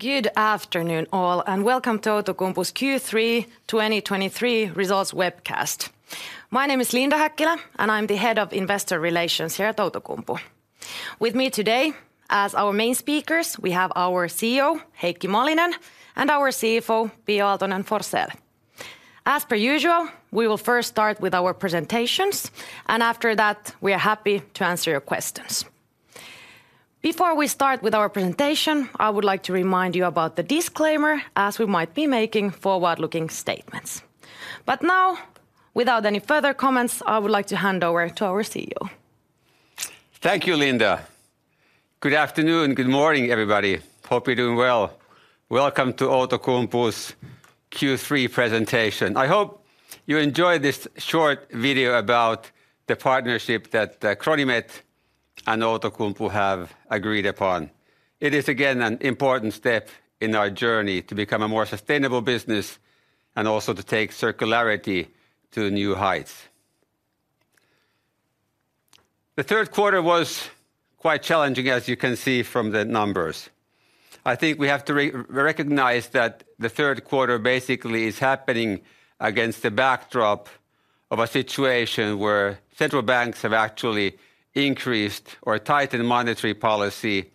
Good afternoon, all, and welcome to Outokumpu's Q3 2023 results webcast. My name is Linda Häkkilä, and I'm the Head of Investor Relations here at Outokumpu. With me today, as our main speakers, we have our CEO, Heikki Malinen, and our CFO, Pia Aaltonen-Forssell. As per usual, we will first start with our presentations, and after that, we are happy to answer your questions. Before we start with our presentation, I would like to remind you about the disclaimer, as we might be making forward-looking statements. Now, without any further comments, I would like to hand over to our CEO. Thank you, Linda. Good afternoon. Good morning, everybody. Hope you're doing well. Welcome to Outokumpu's Q3 presentation. I hope you enjoyed this short video about the partnership that CRONIMET and Outokumpu have agreed upon. It is, again, an important step in our journey to become a more sustainable business and also to take circularity to new heights. The third quarter was quite challenging, as you can see from the numbers. I think we have to recognize that the third quarter basically is happening against the backdrop of a situation where central banks have actually increased or tightened monetary policy,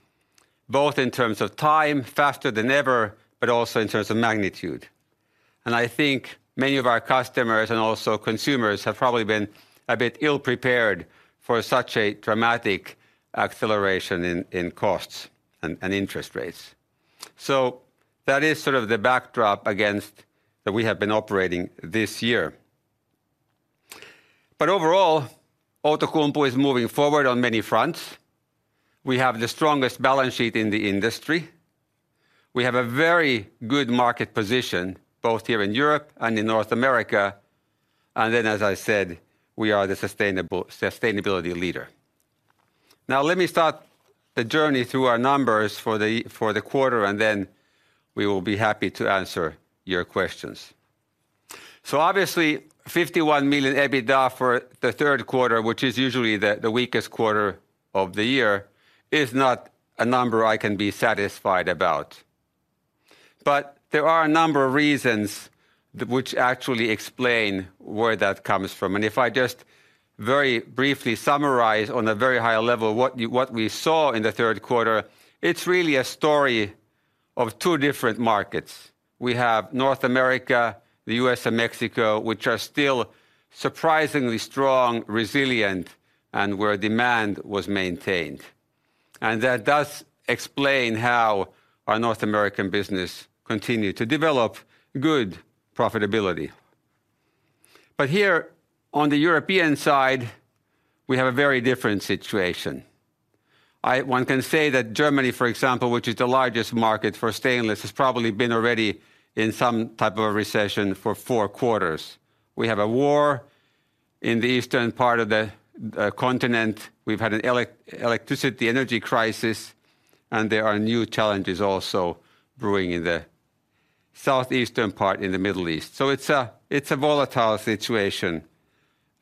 both in terms of time, faster than ever, but also in terms of magnitude. And I think many of our customers and also consumers have probably been a bit ill-prepared for such a dramatic acceleration in costs and interest rates. So that is sort of the backdrop against that we have been operating this year. But overall, Outokumpu is moving forward on many fronts. We have the strongest balance sheet in the industry. We have a very good market position, both here in Europe and in North America. And then, as I said, we are the sustainable-sustainability leader. Now, let me start the journey through our numbers for the quarter, and then we will be happy to answer your questions. So obviously, 51 million EBITDA for the third quarter, which is usually the weakest quarter of the year, is not a number I can be satisfied about. But there are a number of reasons which actually explain where that comes from. And if I just very briefly summarize on a very high level what we saw in the third quarter, it's really a story of two different markets. We have North America, the U.S., and Mexico, which are still surprisingly strong, resilient, and where demand was maintained. And that does explain how our North American business continued to develop good profitability. But here on the European side, we have a very different situation. One can say that Germany, for example, which is the largest market for stainless, has probably been already in some type of a recession for four quarters. We have a war in the eastern part of the continent. We've had an electricity, energy crisis, and there are new challenges also brewing in the southeastern part in the Middle East. So it's a volatile situation,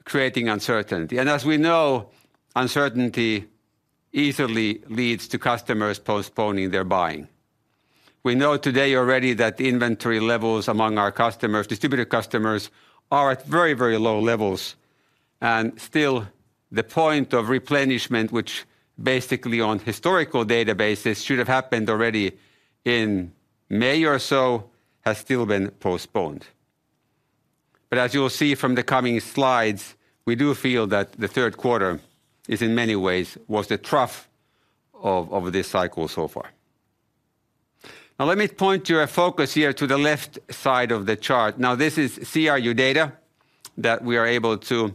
creating uncertainty. As we know, uncertainty easily leads to customers postponing their buying. We know today already that inventory levels among our customers, distributor customers, are at very, very low levels, and still the point of replenishment, which basically on historical databases should have happened already in May or so, has still been postponed. But as you will see from the coming slides, we do feel that the third quarter is in many ways, was the trough of, of this cycle so far. Now, let me point your focus here to the left side of the chart. Now, this is CRU data that we are able to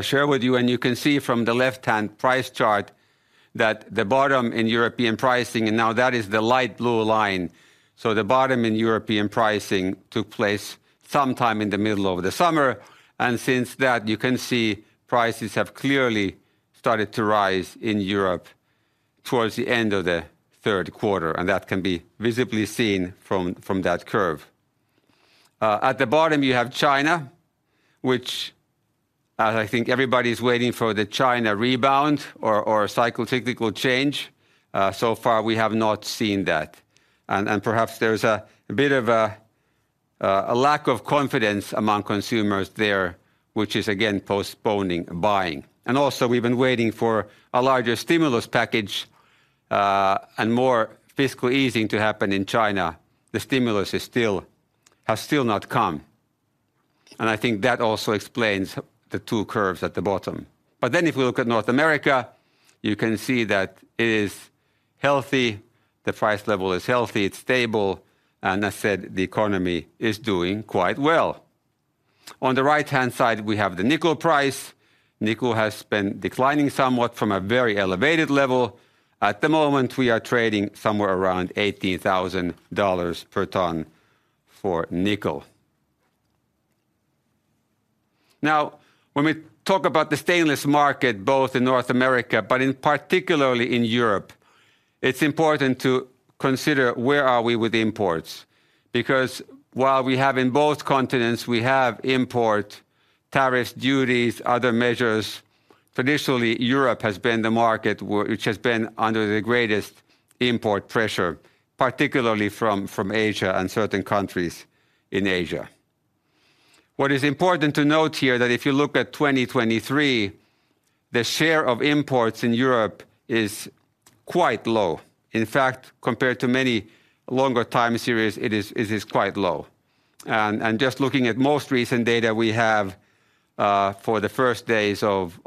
share with you, and you can see from the left-hand price chart that the bottom in European pricing, and now that is the light blue line. So the bottom in European pricing took place sometime in the middle of the summer, and since that, you can see prices have clearly started to rise in Europe towards the end of the third quarter, and that can be visibly seen from that curve. At the bottom, you have China, which I think everybody is waiting for the China rebound or cycle, cyclical change. So far, we have not seen that. And perhaps there's a bit of a lack of confidence among consumers there, which is again postponing buying. And also, we've been waiting for a larger stimulus package and more fiscal easing to happen in China. The stimulus has still not come. And I think that also explains the two curves at the bottom. But then if we look at North America, you can see that it is healthy, the price level is healthy, it's stable, and as I said, the economy is doing quite well. On the right-hand side, we have the nickel price. Nickel has been declining somewhat from a very elevated level. At the moment, we are trading somewhere around $18,000 per ton for nickel. Now, when we talk about the stainless market, both in North America, but particularly in Europe, it's important to consider where are we with imports. Because while we have in both continents, we have import tariff duties, other measures. Traditionally, Europe has been the market which has been under the greatest import pressure, particularly from Asia and certain countries in Asia. What is important to note here that if you look at 2023, the share of imports in Europe is quite low. In fact, compared to many longer time series, it is, it is quite low. And just looking at most recent data we have, for the first days of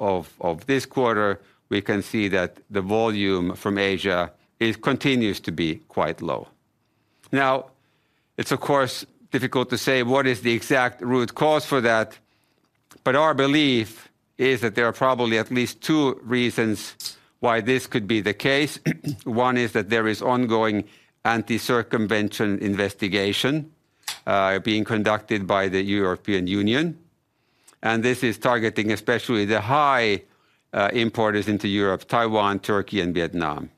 this quarter, we can see that the volume from Asia is continues to be quite low. Now, it's of course difficult to say what is the exact root cause for that, but our belief is that there are probably at least two reasons why this could be the case. One is that there is ongoing anti-circumvention investigation being conducted by the European Union, and this is targeting especially the high importers into Europe, Taiwan, Turkey, and Vietnam.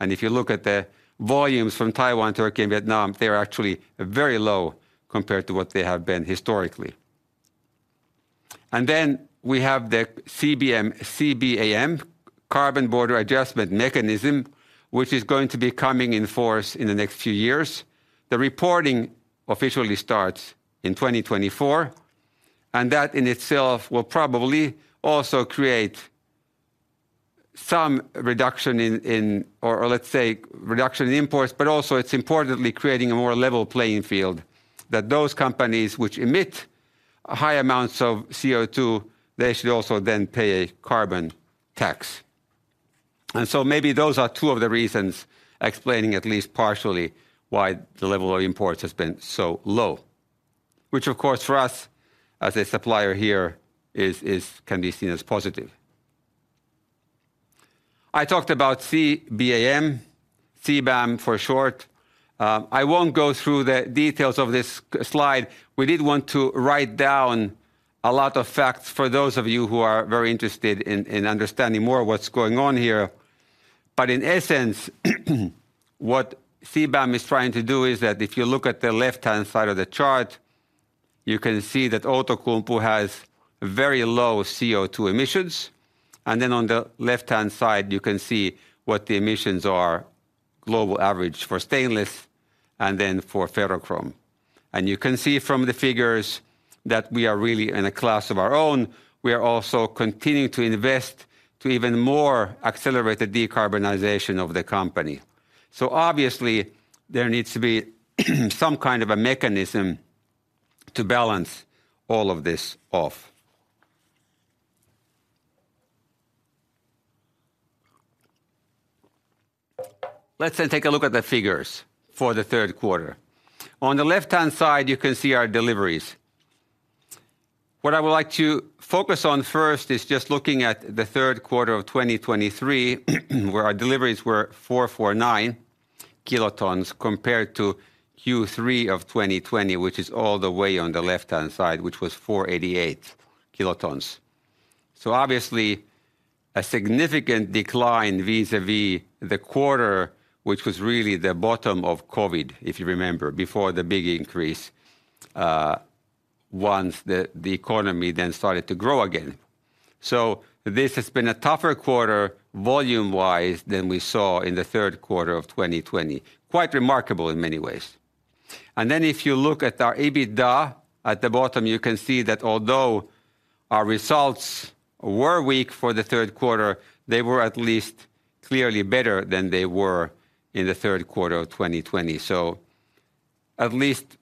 If you look at the volumes from Taiwan, Turkey, and Vietnam, they are actually very low compared to what they have been historically. Then we have the CBM... CBAM, Carbon Border Adjustment Mechanism, which is going to be coming in force in the next few years. The reporting officially starts in 2024, and that in itself will probably also create some reduction in imports, but also it's importantly creating a more level playing field, that those companies which emit high amounts of CO2, they should also then pay a carbon tax. So maybe those are two of the reasons explaining at least partially why the level of imports has been so low, which of course, for us as a supplier here, can be seen as positive. I talked about CBAM, CBAM, for short. I won't go through the details of this slide. We did want to write down a lot of facts for those of you who are very interested in understanding more of what's going on here. But in essence, what CBAM is trying to do is that if you look at the left-hand side of the chart, you can see that Outokumpu has very low CO2 emissions. And then on the left-hand side, you can see what the emissions are, global average for stainless and then for ferrochrome. And you can see from the figures that we are really in a class of our own. We are also continuing to invest to even more accelerate the decarbonization of the company. So obviously, there needs to be some kind of a mechanism to balance all of this off. Let's then take a look at the figures for the third quarter. On the left-hand side, you can see our deliveries. What I would like to focus on first is just looking at the third quarter of 2023, where our deliveries were 449 kilotons, compared to Q3 of 2020, which is all the way on the left-hand side, which was 488 kilotons. So obviously, a significant decline vis-à-vis the quarter, which was really the bottom of COVID, if you remember, before the big increase, once the economy then started to grow again. So this has been a tougher quarter, volume-wise, than we saw in the third quarter of 2020. Quite remarkable in many ways. And then if you look at our EBITDA at the bottom, you can see that although our results were weak for the third quarter, they were at least clearly better than they were in the third quarter of 2020. So at least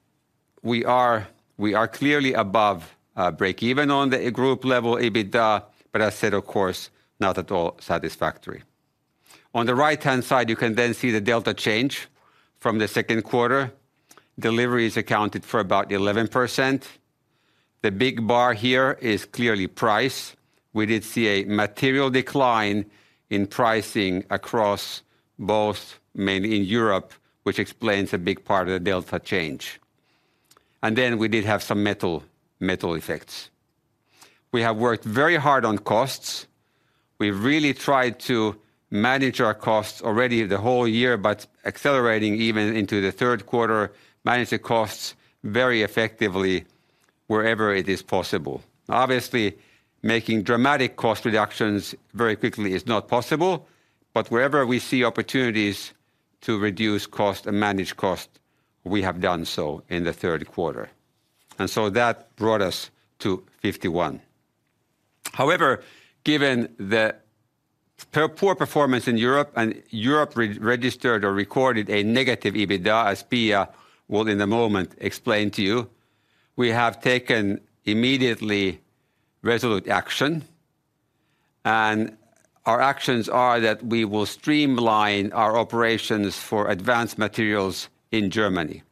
we are, we are clearly above break even on the group level, EBITDA, but as said, of course, not at all satisfactory. On the right-hand side, you can then see the delta change from the second quarter. Deliveries accounted for about 11%. The big bar here is clearly price. We did see a material decline in pricing across both mainly in Europe, which explains a big part of the delta change. And then we did have some metal, metal effects. We have worked very hard on costs. We've really tried to manage our costs already the whole year, but accelerating even into the third quarter, manage the costs very effectively wherever it is possible. Obviously, making dramatic cost reductions very quickly is not possible, but wherever we see opportunities to reduce cost and manage cost, we have done so in the third quarter, and so that brought us to 51. However, given the poor, poor performance in Europe and Europe registered or recorded a negative EBITDA, as Pia will in a moment explain to you, we have taken immediately resolute action, and our actions are that we will streamline our operations for Advanced Materials in Germany.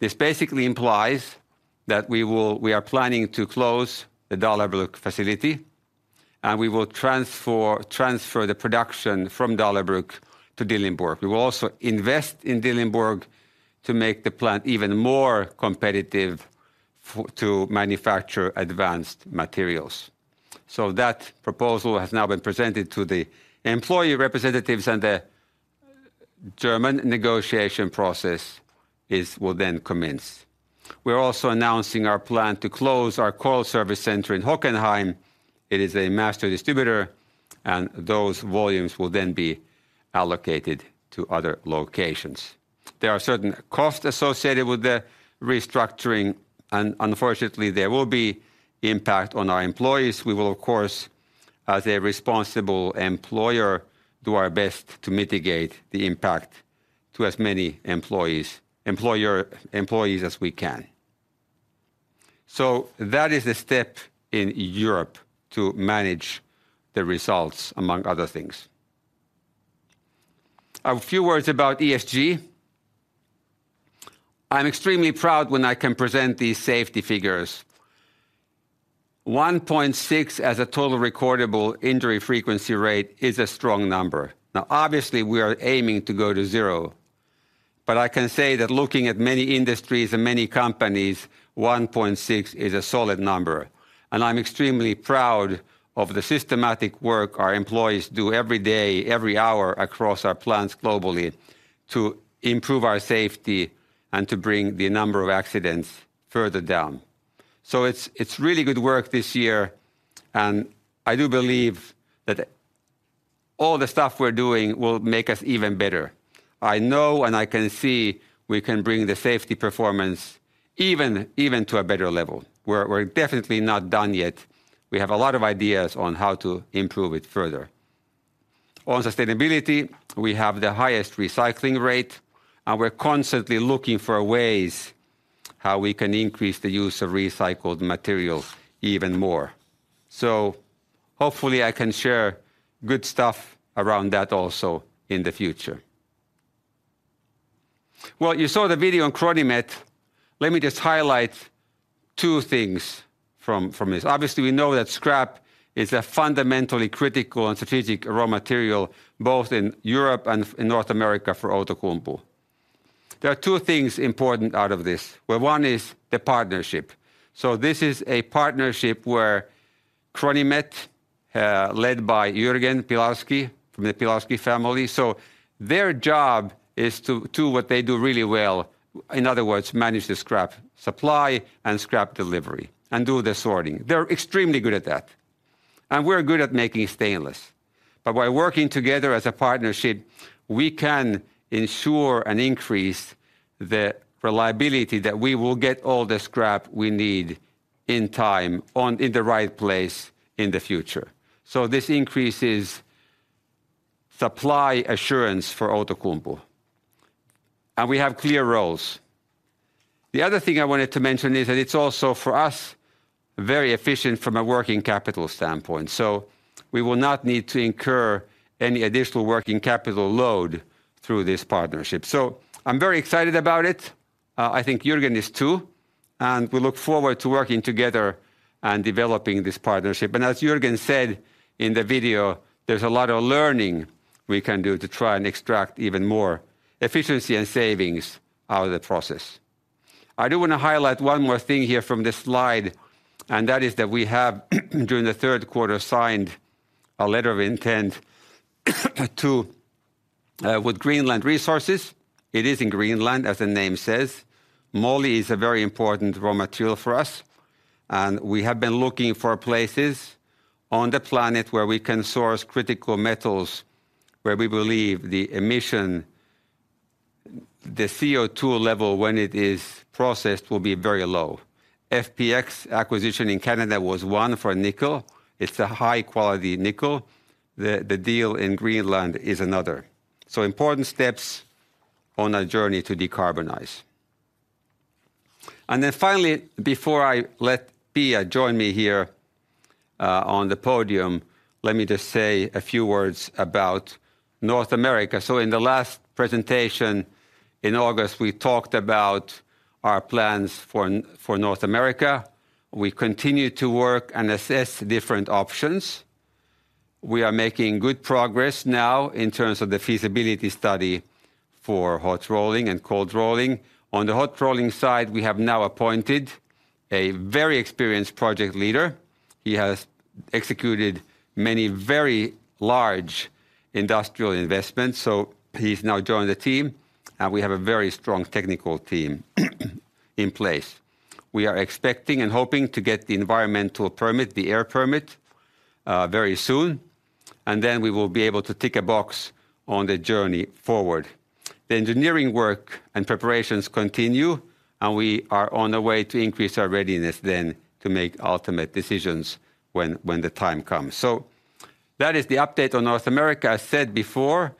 This basically implies that we will—we are planning to close the Dahlerbrück facility, and we will transfer, transfer the production from Dahlerbrück to Dillenburg. We will also invest in Dillenburg to make the plant even more competitive for, to manufacture Advanced Materials. So that proposal has now been presented to the employee representatives and the German negotiation process is, will then commence. We're also announcing our plan to close our coil service center in Hockenheim. It is a master distributor, and those volumes will then be allocated to other locations. There are certain costs associated with the restructuring, and unfortunately, there will be impact on our employees. We will, of course, as a responsible employer, do our best to mitigate the impact to as many employees, employer, employees as we can. So that is a step in Europe to manage the results, among other things. A few words about ESG. I'm extremely proud when I can present these safety figures. 1.6 as a total recordable injury frequency rate is a strong number. Now, obviously, we are aiming to go to zero, but I can say that looking at many industries and many companies, 1.6 is a solid number, and I'm extremely proud of the systematic work our employees do every day, every hour, across our plants globally, to improve our safety and to bring the number of accidents further down. So it's, it's really good work this year, and I do believe that all the stuff we're doing will make us even better. I know, and I can see we can bring the safety performance even, even to a better level. We're, we're definitely not done yet. We have a lot of ideas on how to improve it further. On sustainability, we have the highest recycling rate, and we're constantly looking for ways how we can increase the use of recycled material even more. So hopefully, I can share good stuff around that also in the future. Well, you saw the video on CRONIMET. Let me just highlight two things from this. Obviously, we know that scrap is a fundamentally critical and strategic raw material, both in Europe and in North America for Outokumpu. There are two things important out of this, where one is the partnership. So this is a partnership where CRONIMET, led by Jürgen Pilarsky from the Pilarsky family, so their job is to do what they do really well. In other words, manage the scrap supply and scrap delivery and do the sorting. They're extremely good at that, and we're good at making stainless. But by working together as a partnership, we can ensure and increase the reliability that we will get all the scrap we need on time, in the right place in the future. So this increases supply assurance for Outokumpu, and we have clear roles. The other thing I wanted to mention is that it's also, for us, very efficient from a working capital standpoint, so we will not need to incur any additional working capital load through this partnership. So I'm very excited about it. I think Jürgen is too, and we look forward to working together and developing this partnership. And as Jürgen said in the video, there's a lot of learning we can do to try and extract even more efficiency and savings out of the process. I do want to highlight one more thing here from this slide, and that is that we have during the third quarter, signed a letter of intent to, with Greenland Resources. It is in Greenland, as the name says. Moly is a very important raw material for us, and we have been looking for places on the planet where we can source critical metals, where we believe the emission, the CO2 level, when it is processed, will be very low. FPX acquisition in Canada was one for nickel. It's a high-quality nickel. The deal in Greenland is another. So important steps on our journey to decarbonize. And then finally, before I let Pia join me here on the podium, let me just say a few words about North America. So in the last presentation in August, we talked about our plans for North America. We continue to work and assess different options. We are making good progress now in terms of the feasibility study for hot rolling and cold rolling. On the hot rolling side, we have now appointed a very experienced project leader. He has executed many very large industrial investments, so he's now joined the team, and we have a very strong technical team in place. We are expecting and hoping to get the environmental permit, the air permit, very soon, and then we will be able to tick a box on the journey forward. The engineering work and preparations continue, and we are on the way to increase our readiness then to make ultimate decisions when the time comes. So that is the update on North America. I said before,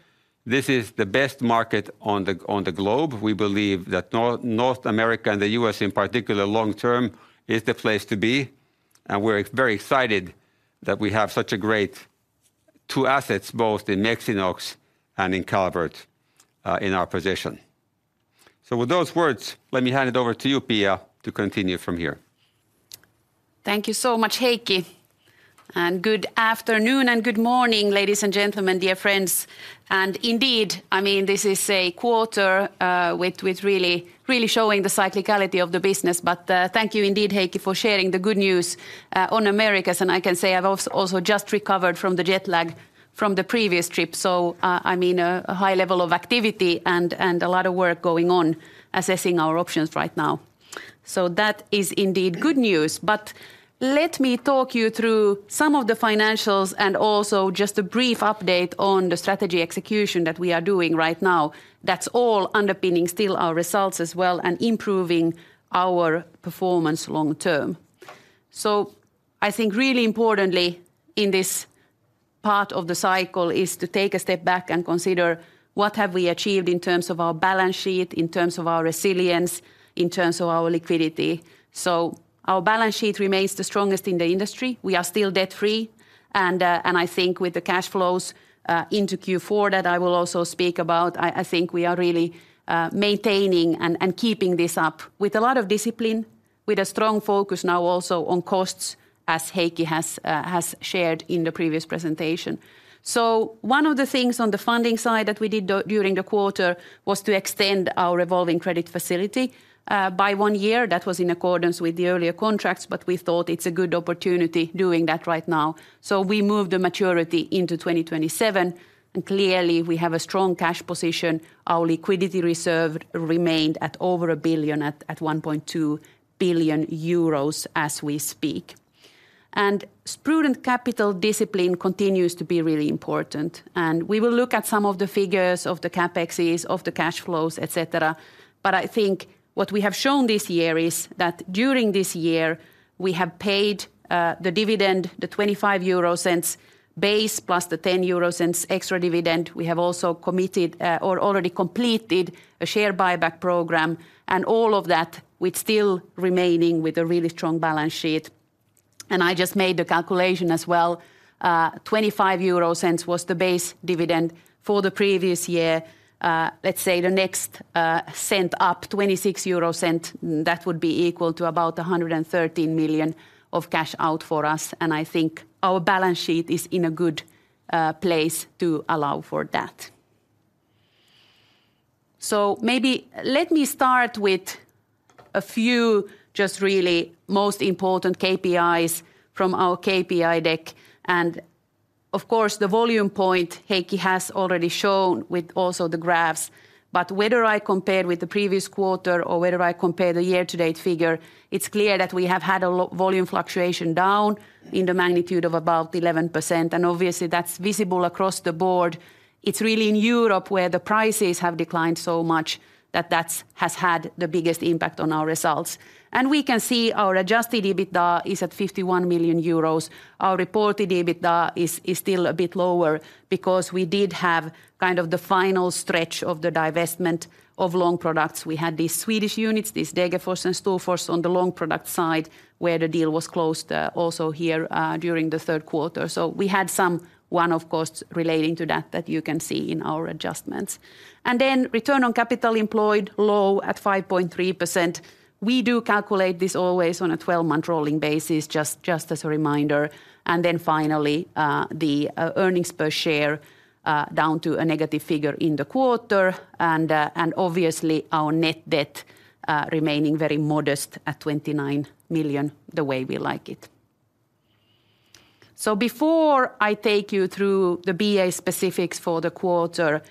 this is the best market on the globe. We believe that North America and the U.S. in particular, long term, is the place to be, and we're very excited that we have such a great two assets, both in Mexinox and in Calvert, in our position. With those words, let me hand it over to you, Pia, to continue from here. Thank you so much, Heikki. Good afternoon and good morning, ladies and gentlemen, dear friends. Indeed, I mean, this is a quarter with really, really showing the cyclicality of the business. Thank you indeed, Heikki, for sharing the good news on Americas. I can say I've also just recovered from the jet lag from the previous trip, so, I mean, a high level of activity and a lot of work going on assessing our options right now. That is indeed good news. Let me talk you through some of the financials and also just a brief update on the strategy execution that we are doing right now, that's all underpinning still our results as well and improving our performance long term. So I think really importantly in this part of the cycle is to take a step back and consider what have we achieved in terms of our balance sheet, in terms of our resilience, in terms of our liquidity. So our balance sheet remains the strongest in the industry. We are still debt-free, and I think with the cash flows into Q4, that I will also speak about, I think we are really maintaining and keeping this up with a lot of discipline, with a strong focus now also on costs, as Heikki has shared in the previous presentation. So one of the things on the funding side that we did during the quarter was to extend our revolving credit facility by one year. That was in accordance with the earlier contracts, but we thought it's a good opportunity doing that right now. So we moved the maturity into 2027, and clearly, we have a strong cash position. Our liquidity reserve remained at over 1 billion, at 1.2 billion euros as we speak. And prudent capital discipline continues to be really important, and we will look at some of the figures of the CapExes, of the cash flows, et cetera. But I think what we have shown this year is that during this year, we have paid the dividend, the 0.25 base, plus the 0.10 extra dividend. We have also committed or already completed a share buyback program, and all of that with still remaining with a really strong balance sheet. And I just made the calculation as well. 0.25 was the base dividend for the previous year. Let's say the next cent up, 0.26, that would be equal to about 113 million of cash out for us, and I think our balance sheet is in a good place to allow for that. So maybe let me start with a few just really most important KPIs from our KPI deck. And of course, the volume point, Heikki has already shown with also the graphs. But whether I compare with the previous quarter or whether I compare the year-to-date figure, it's clear that we have had a low volume fluctuation down in the magnitude of about 11%, and obviously, that's visible across the Board. It's really in Europe, where the prices have declined so much, that that has had the biggest impact on our results. We can see our adjusted EBITDA is at 51 million euros. Our reported EBITDA is still a bit lower because we did have kind of the final stretch of the divestment of Long Products. We had these Swedish units, these Degerfors and Storfors on the Long Products side, where the deal was closed also here during the third quarter. So we had some one-off costs relating to that, that you can see in our adjustments. And then return on capital employed, low at 5.3%. We do calculate this always on a 12-month rolling basis, just as a reminder. And then finally, the earnings per share, down to a negative figure in the quarter, and obviously, our net debt remaining very modest at 29 million, the way we like it. So before I take you through the BA specifics for the quarter,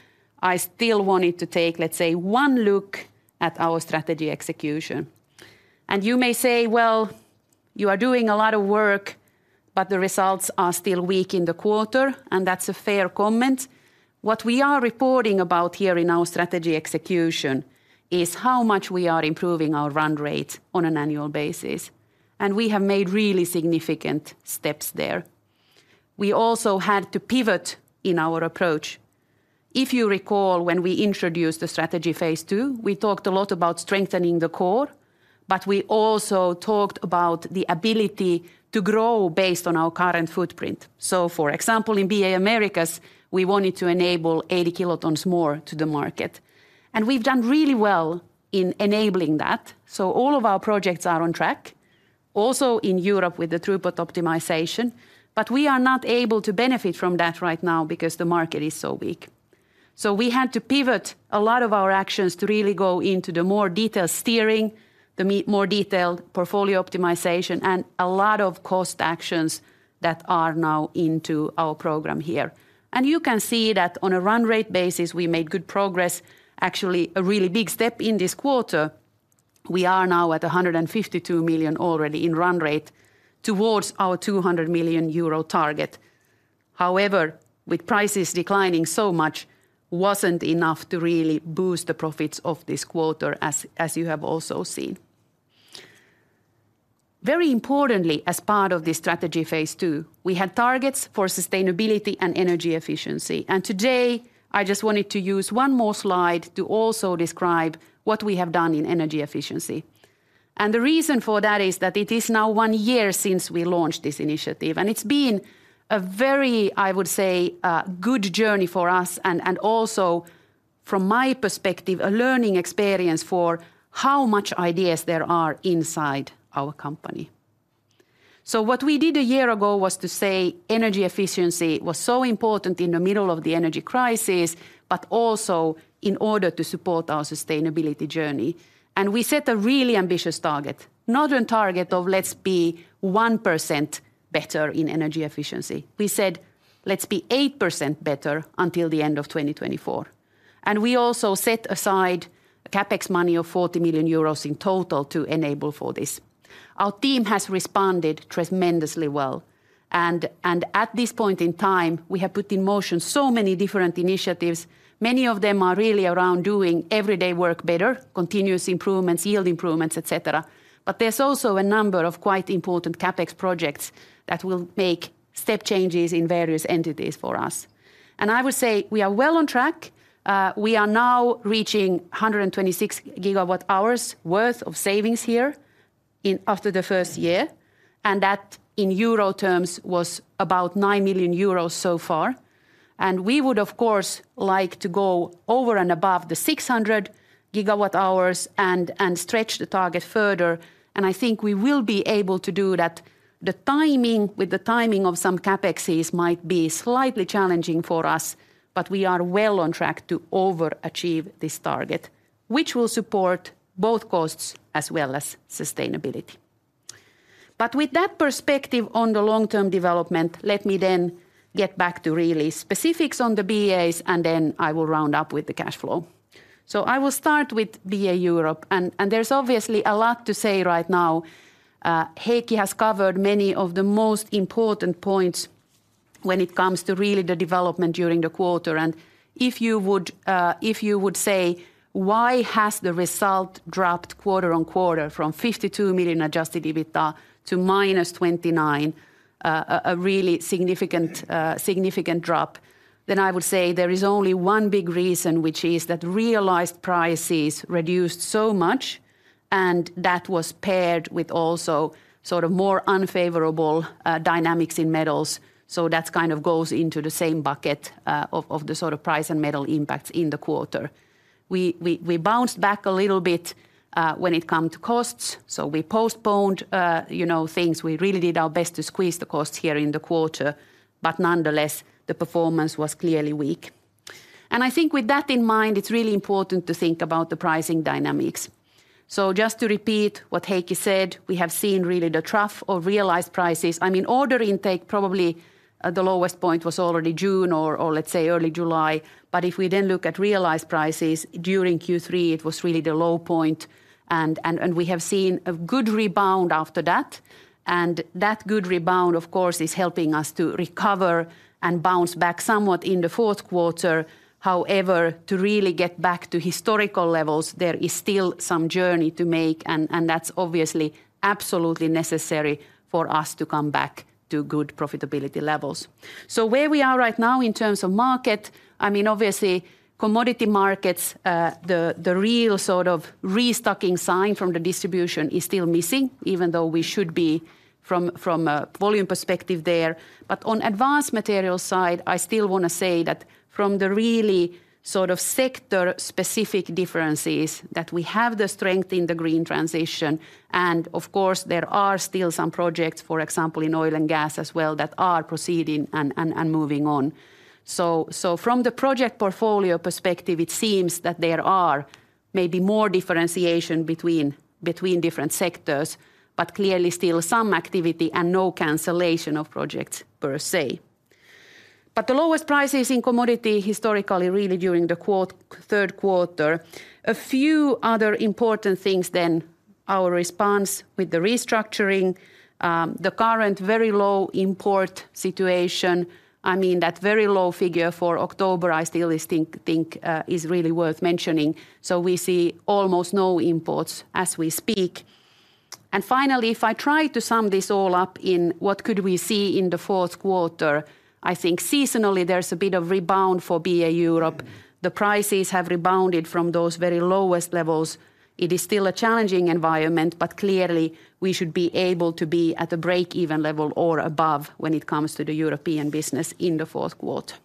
I still wanted to take, let's say, one look at our strategy execution. And you may say, "Well, you are doing a lot of work, but the results are still weak in the quarter," and that's a fair comment. What we are reporting about here in our strategy execution is how much we are improving our run rate on an annual basis, and we have made really significant steps there. We also had to pivot in our approach. If you recall, when we introduced the Strategy Phase Two, we talked a lot about strengthening the core, but we also talked about the ability to grow based on our current footprint. So for example, in BA Americas, we wanted to enable 80 kilotons more to the market, and we've done really well in enabling that. So all of our projects are on track, also in Europe with the throughput optimization. But we are not able to benefit from that right now because the market is so weak. So we had to pivot a lot of our actions to really go into the more detailed steering, the more detailed portfolio optimization, and a lot of cost actions that are now into our program here. And you can see that on a run-rate basis, we made good progress, actually a really big step in this quarter. We are now at 152 million already in run rate towards our 200 million euro target. However, with prices declining so much, it wasn't enough to really boost the profits of this quarter as you have also seen. Very importantly, as part of this Strategy Phase Two, we had targets for sustainability and energy efficiency. Today, I just wanted to use one more slide to also describe what we have done in energy efficiency. The reason for that is that it is now one year since we launched this initiative, and it's been a very, I would say, good journey for us and also from my perspective, a learning experience for how much ideas there are inside our company. So what we did a year ago was to say energy efficiency was so important in the middle of the energy crisis, but also in order to support our sustainability journey. And we set a really ambitious target. Not a target of let's be 1% better in energy efficiency. We said, "Let's be 8% better until the end of 2024." And we also set aside CapEx money of 40 million euros in total to enable for this. Our team has responded tremendously well, and, and at this point in time, we have put in motion so many different initiatives. Many of them are really around doing everyday work better, continuous improvements, yield improvements, et cetera. But there's also a number of quite important CapEx projects that will make step changes in various entities for us. And I would say we are well on track. We are now reaching 126 GWh worth of savings here, after the first year, and that, in euro terms, was about 9 million euros so far. And we would, of course, like to go over and above the 600 GWh and, and stretch the target further, and I think we will be able to do that. With the timing of some CapExes might be slightly challenging for us, but we are well on track to overachieve this target, which will support both costs as well as sustainability. But with that perspective on the long-term development, let me then get back to really specifics on the BAs, and then I will round up with the cash flow. So I will start with BA Europe, and there's obviously a lot to say right now. Heikki has covered many of the most important points when it comes to really the development during the quarter. And if you would... If you would say, "Why has the result dropped quarter-over-quarter from 52 million adjusted EBITDA to minus 29 million," a really significant drop, then I would say there is only one big reason, which is that realized prices reduced so much, and that was paired with also sort of more unfavorable dynamics in metals. So that kind of goes into the same bucket of the sort of price and metal impacts in the quarter. We bounced back a little bit, when it come to costs, so we postponed, you know, things. We really did our best to squeeze the costs here in the quarter, but nonetheless, the performance was clearly weak. And I think with that in mind, it's really important to think about the pricing dynamics. So just to repeat what Heikki said, we have seen really the trough of realized prices. I mean, order intake, probably at the lowest point, was already June or let's say early July. But if we then look at realized prices, during Q3, it was really the low point, and we have seen a good rebound after that. And that good rebound, of course, is helping us to recover and bounce back somewhat in the fourth quarter. However, to really get back to historical levels, there is still some journey to make, and that's obviously absolutely necessary for us to come back to good profitability levels. So where we are right now in terms of market, I mean, obviously, commodity markets, the real sort of restocking sign from the distribution is still missing, even though we should be from a volume perspective there. But on Advanced Materials side, I still wanna say that from the really sort of sector-specific differences, that we have the strength in the green transition, and of course, there are still some projects, for example, in oil and gas as well, that are proceeding and moving on. So from the project portfolio perspective, it seems that there are maybe more differentiation between different sectors, but clearly still some activity and no cancellation of projects per se. But the lowest prices in commodity historically really during the third quarter. A few other important things then, our response with the restructuring, the current very low import situation, I mean, that very low figure for October I still think is really worth mentioning, so we see almost no imports as we speak. Finally, if I try to sum this all up in what could we see in the fourth quarter, I think seasonally there's a bit of rebound for BA Europe. The prices have rebounded from those very lowest levels. It is still a challenging environment, but clearly we should be able to be at a break-even level or above when it comes to the European business in the fourth quarter.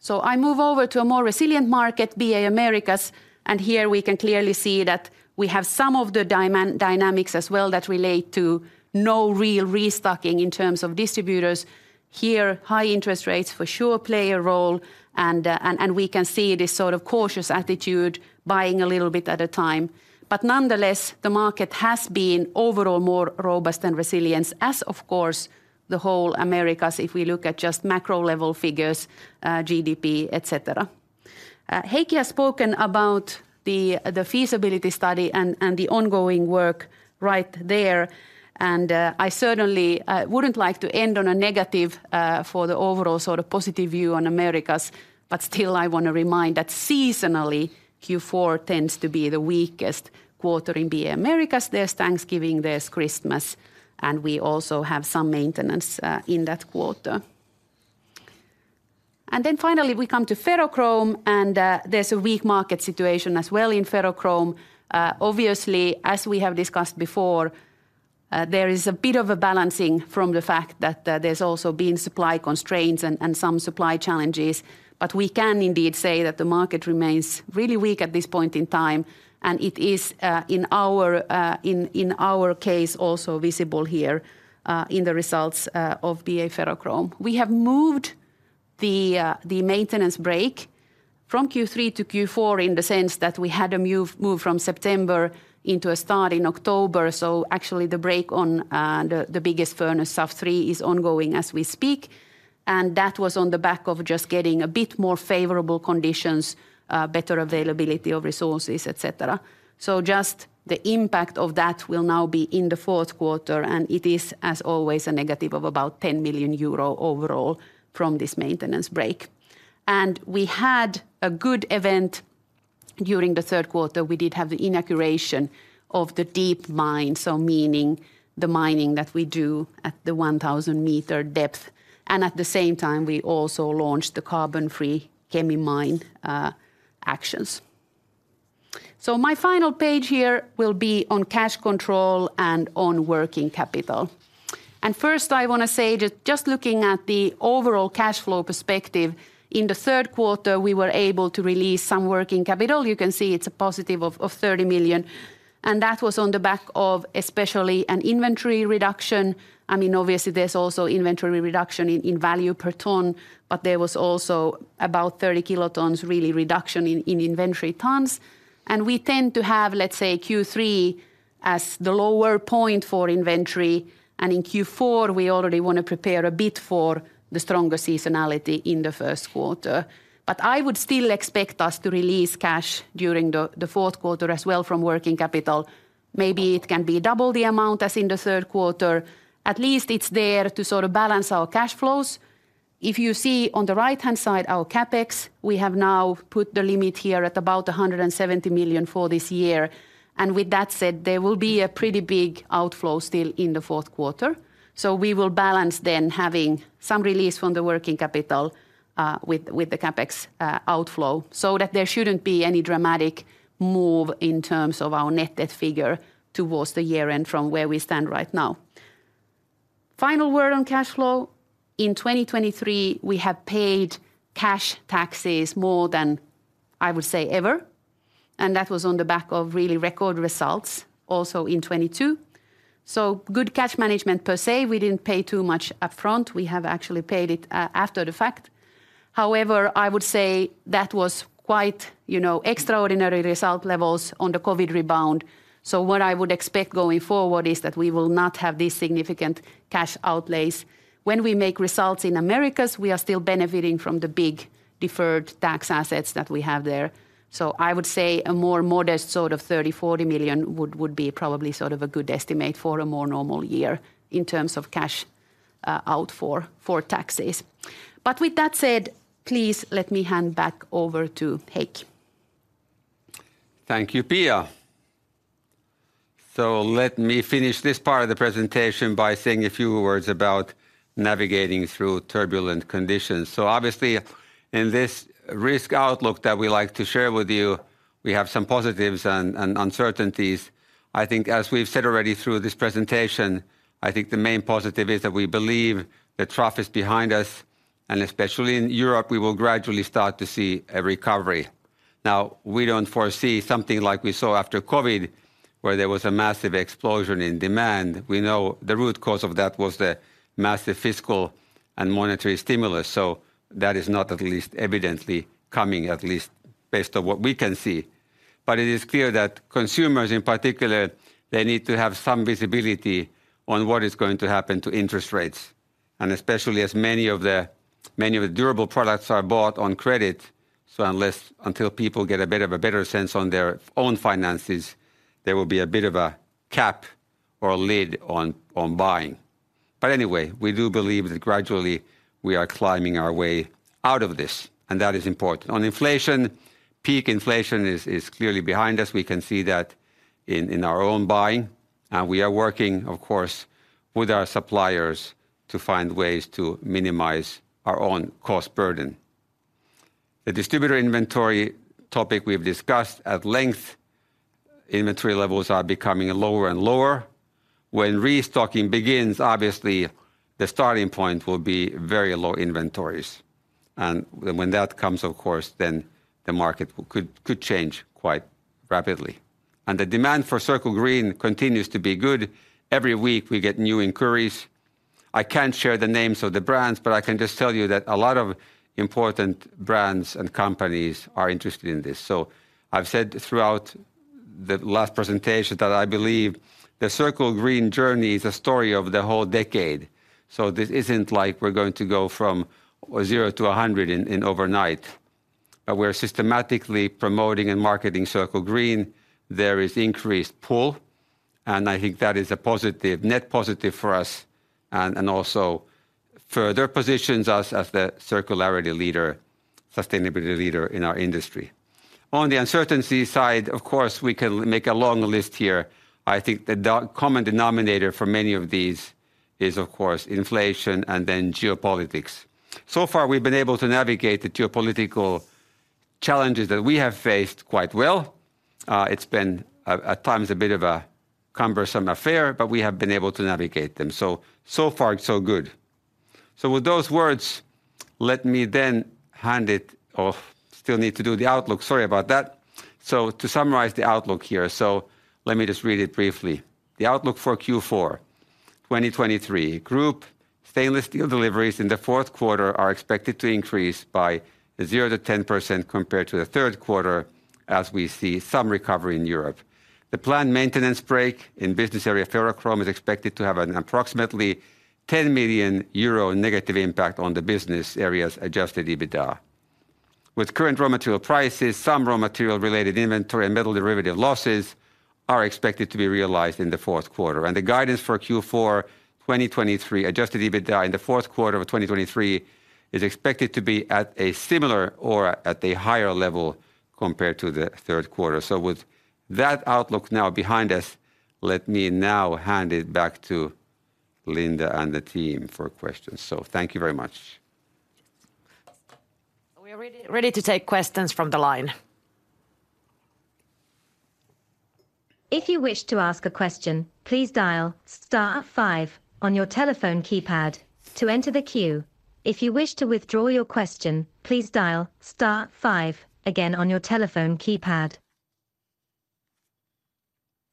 So I move over to a more resilient market, BA Americas, and here we can clearly see that we have some of the dynamics as well that relate to no real restocking in terms of distributors. Here, high interest rates for sure play a role, and we can see this sort of cautious attitude, buying a little bit at a time. But nonetheless, the market has been overall more robust and resilient, as of course, the whole Americas, if we look at just macro-level figures, GDP, et cetera. Heikki has spoken about the feasibility study and the ongoing work right there, and I certainly wouldn't like to end on a negative for the overall sort of positive view on Americas. But still, I want to remind that seasonally, Q4 tends to be the weakest quarter in BA Americas. There's Thanksgiving, there's Christmas, and we also have some maintenance in that quarter. And then finally, we come to ferrochrome, and there's a weak market situation as well in ferrochrome. Obviously, as we have discussed before, there is a bit of a balancing from the fact that there's also been supply constraints and some supply challenges. But we can indeed say that the market remains really weak at this point in time, and it is in our case also visible here in the results of BA Ferrochrome. We have moved the maintenance break from Q3 to Q4, in the sense that we had a move from September into a start in October. So actually, the break on the biggest furnace, SAF 3, is ongoing as we speak, and that was on the back of just getting a bit more favorable conditions, better availability of resources, et cetera. So just the impact of that will now be in the fourth quarter, and it is, as always, a negative of about 10 million euro overall from this maintenance break. And we had a good event during the third quarter. We did have the inauguration of the deep mine, so meaning the mining that we do at the 1,000-meter depth, and at the same time, we also launched the carbon-free Kemi mine actions. So my final page here will be on cash control and on working capital. And first, I want to say that just looking at the overall cash flow perspective, in the third quarter, we were able to release some working capital. You can see it's a positive of 30 million, and that was on the back of especially an inventory reduction. I mean, obviously there's also inventory reduction in value per ton, but there was also about 30 kilotons really reduction in inventory tons. We tend to have, let's say, Q3 as the lower point for inventory, and in Q4, we already want to prepare a bit for the stronger seasonality in the first quarter. I would still expect us to release cash during the, the fourth quarter as well from working capital. Maybe it can be double the amount as in the third quarter. At least it's there to sort of balance our cash flows. If you see on the right-hand side, our CapEx, we have now put the limit here at about 170 million for this year. With that said, there will be a pretty big outflow still in the fourth quarter. So we will balance then, having some release from the working capital with the CapEx outflow, so that there shouldn't be any dramatic move in terms of our net debt figure towards the year-end from where we stand right now. Final word on cash flow, in 2023, we have paid cash taxes more than, I would say, ever, and that was on the back of really record results also in 2022. So good cash management per se, we didn't pay too much upfront. We have actually paid it after the fact. However, I would say that was quite, you know, extraordinary result levels on the COVID rebound. So what I would expect going forward is that we will not have these significant cash outlays. When we make results in Americas, we are still benefiting from the big deferred tax assets that we have there. I would say a more modest sort of 30 million-40 million would be probably sort of a good estimate for a more normal year in terms of cash out for taxes. But with that said, please let me hand back over to Heikki. Thank you, Pia. Let me finish this part of the presentation by saying a few words about navigating through turbulent conditions. Obviously, in this risk outlook that we like to share with you, we have some positives and uncertainties. I think as we've said already through this presentation, I think the main positive is that we believe the trough is behind us, and especially in Europe, we will gradually start to see a recovery. Now, we don't foresee something like we saw after COVID, where there was a massive explosion in demand. We know the root cause of that was the massive fiscal and monetary stimulus, so that is not at least evidently coming, at least based on what we can see. But it is clear that consumers, in particular, they need to have some visibility on what is going to happen to interest rates, and especially as many of the durable products are bought on credit. So until people get a bit of a better sense on their own finances, there will be a bit of a cap or a lid on buying. But anyway, we do believe that gradually we are climbing our way out of this, and that is important. On inflation, peak inflation is clearly behind us. We can see that in our own buying, and we are working, of course, with our suppliers to find ways to minimize our own cost burden. The distributor inventory topic we've discussed at length, inventory levels are becoming lower and lower. When restocking begins, obviously, the starting point will be very low inventories, and when that comes, of course, then the market could change quite rapidly. The demand for Circle Green continues to be good. Every week, we get new inquiries. I can't share the names of the brands, but I can just tell you that a lot of important brands and companies are interested in this. I've said throughout the last presentation that I believe the Circle Green journey is a story of the whole decade. This isn't like we're going to go from zero to 100 in overnight. But we're systematically promoting and marketing Circle Green. There is increased pull, and I think that is a positive, net positive for us, and also further positions us as the circularity leader, sustainability leader in our industry. On the uncertainty side, of course, we can make a long list here. I think the common denominator for many of these is, of course, inflation and then geopolitics. So far, we've been able to navigate the geopolitical challenges that we have faced quite well. It's been at times a bit of a cumbersome affair, but we have been able to navigate them. So far, so good. So with those words, let me then hand it off. Still need to do the outlook. Sorry about that. So to summarize the outlook here, let me just read it briefly. The outlook for Q4 2023: Group stainless steel deliveries in the fourth quarter are expected to increase by 0%-10% compared to the third quarter as we see some recovery in Europe. The planned maintenance break in Business Area Ferrochrome is expected to have an approximately 10 million euro negative impact on the business area's adjusted EBITDA. With current raw material prices, some raw material related inventory and metal derivative losses are expected to be realized in the fourth quarter, and the guidance for Q4 2023 adjusted EBITDA in the fourth quarter of 2023 is expected to be at a similar or at a higher level compared to the third quarter. So with that outlook now behind us, let me now hand it back to Linda and the team for questions. So thank you very much. We are ready to take questions from the line. If you wish to ask a question, please dial star five on your telephone keypad to enter the queue. If you wish to withdraw your question, please dial star five again on your telephone keypad.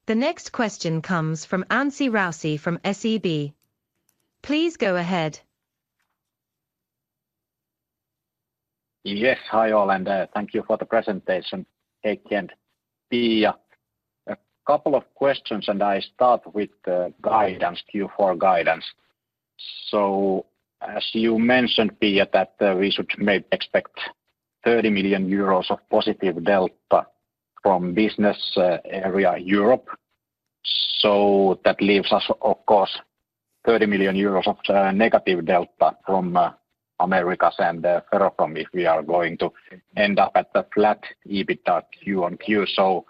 The next question comes from Anssi Raussi from SEB. Please go ahead. Yes. Hi, all, and, thank you for the presentation, Heikki and Pia. A couple of questions, and I start with the guidance, Q4 guidance. So as you mentioned, Pia, that the research may expect 30 million euros of positive delta from business area Europe. So that leaves us, of course, 30 million euros of negative delta from Americas and Ferrochrome, if we are going to end up at a flat EBITDA Q-on-Q. So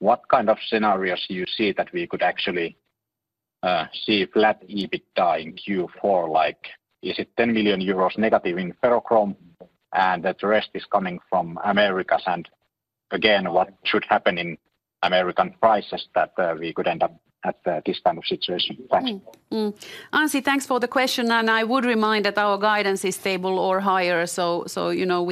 what kind of scenarios do you see that we could actually see flat EBITDA in Q4? Like, is it 10 million euros negative in Ferrochrome, and the rest is coming from Americas? And again, what should happen in American prices that we could end up at this kind of situation? Thanks. Anssi, thanks for the question, and I would remind that our guidance is stable or higher. So, you know,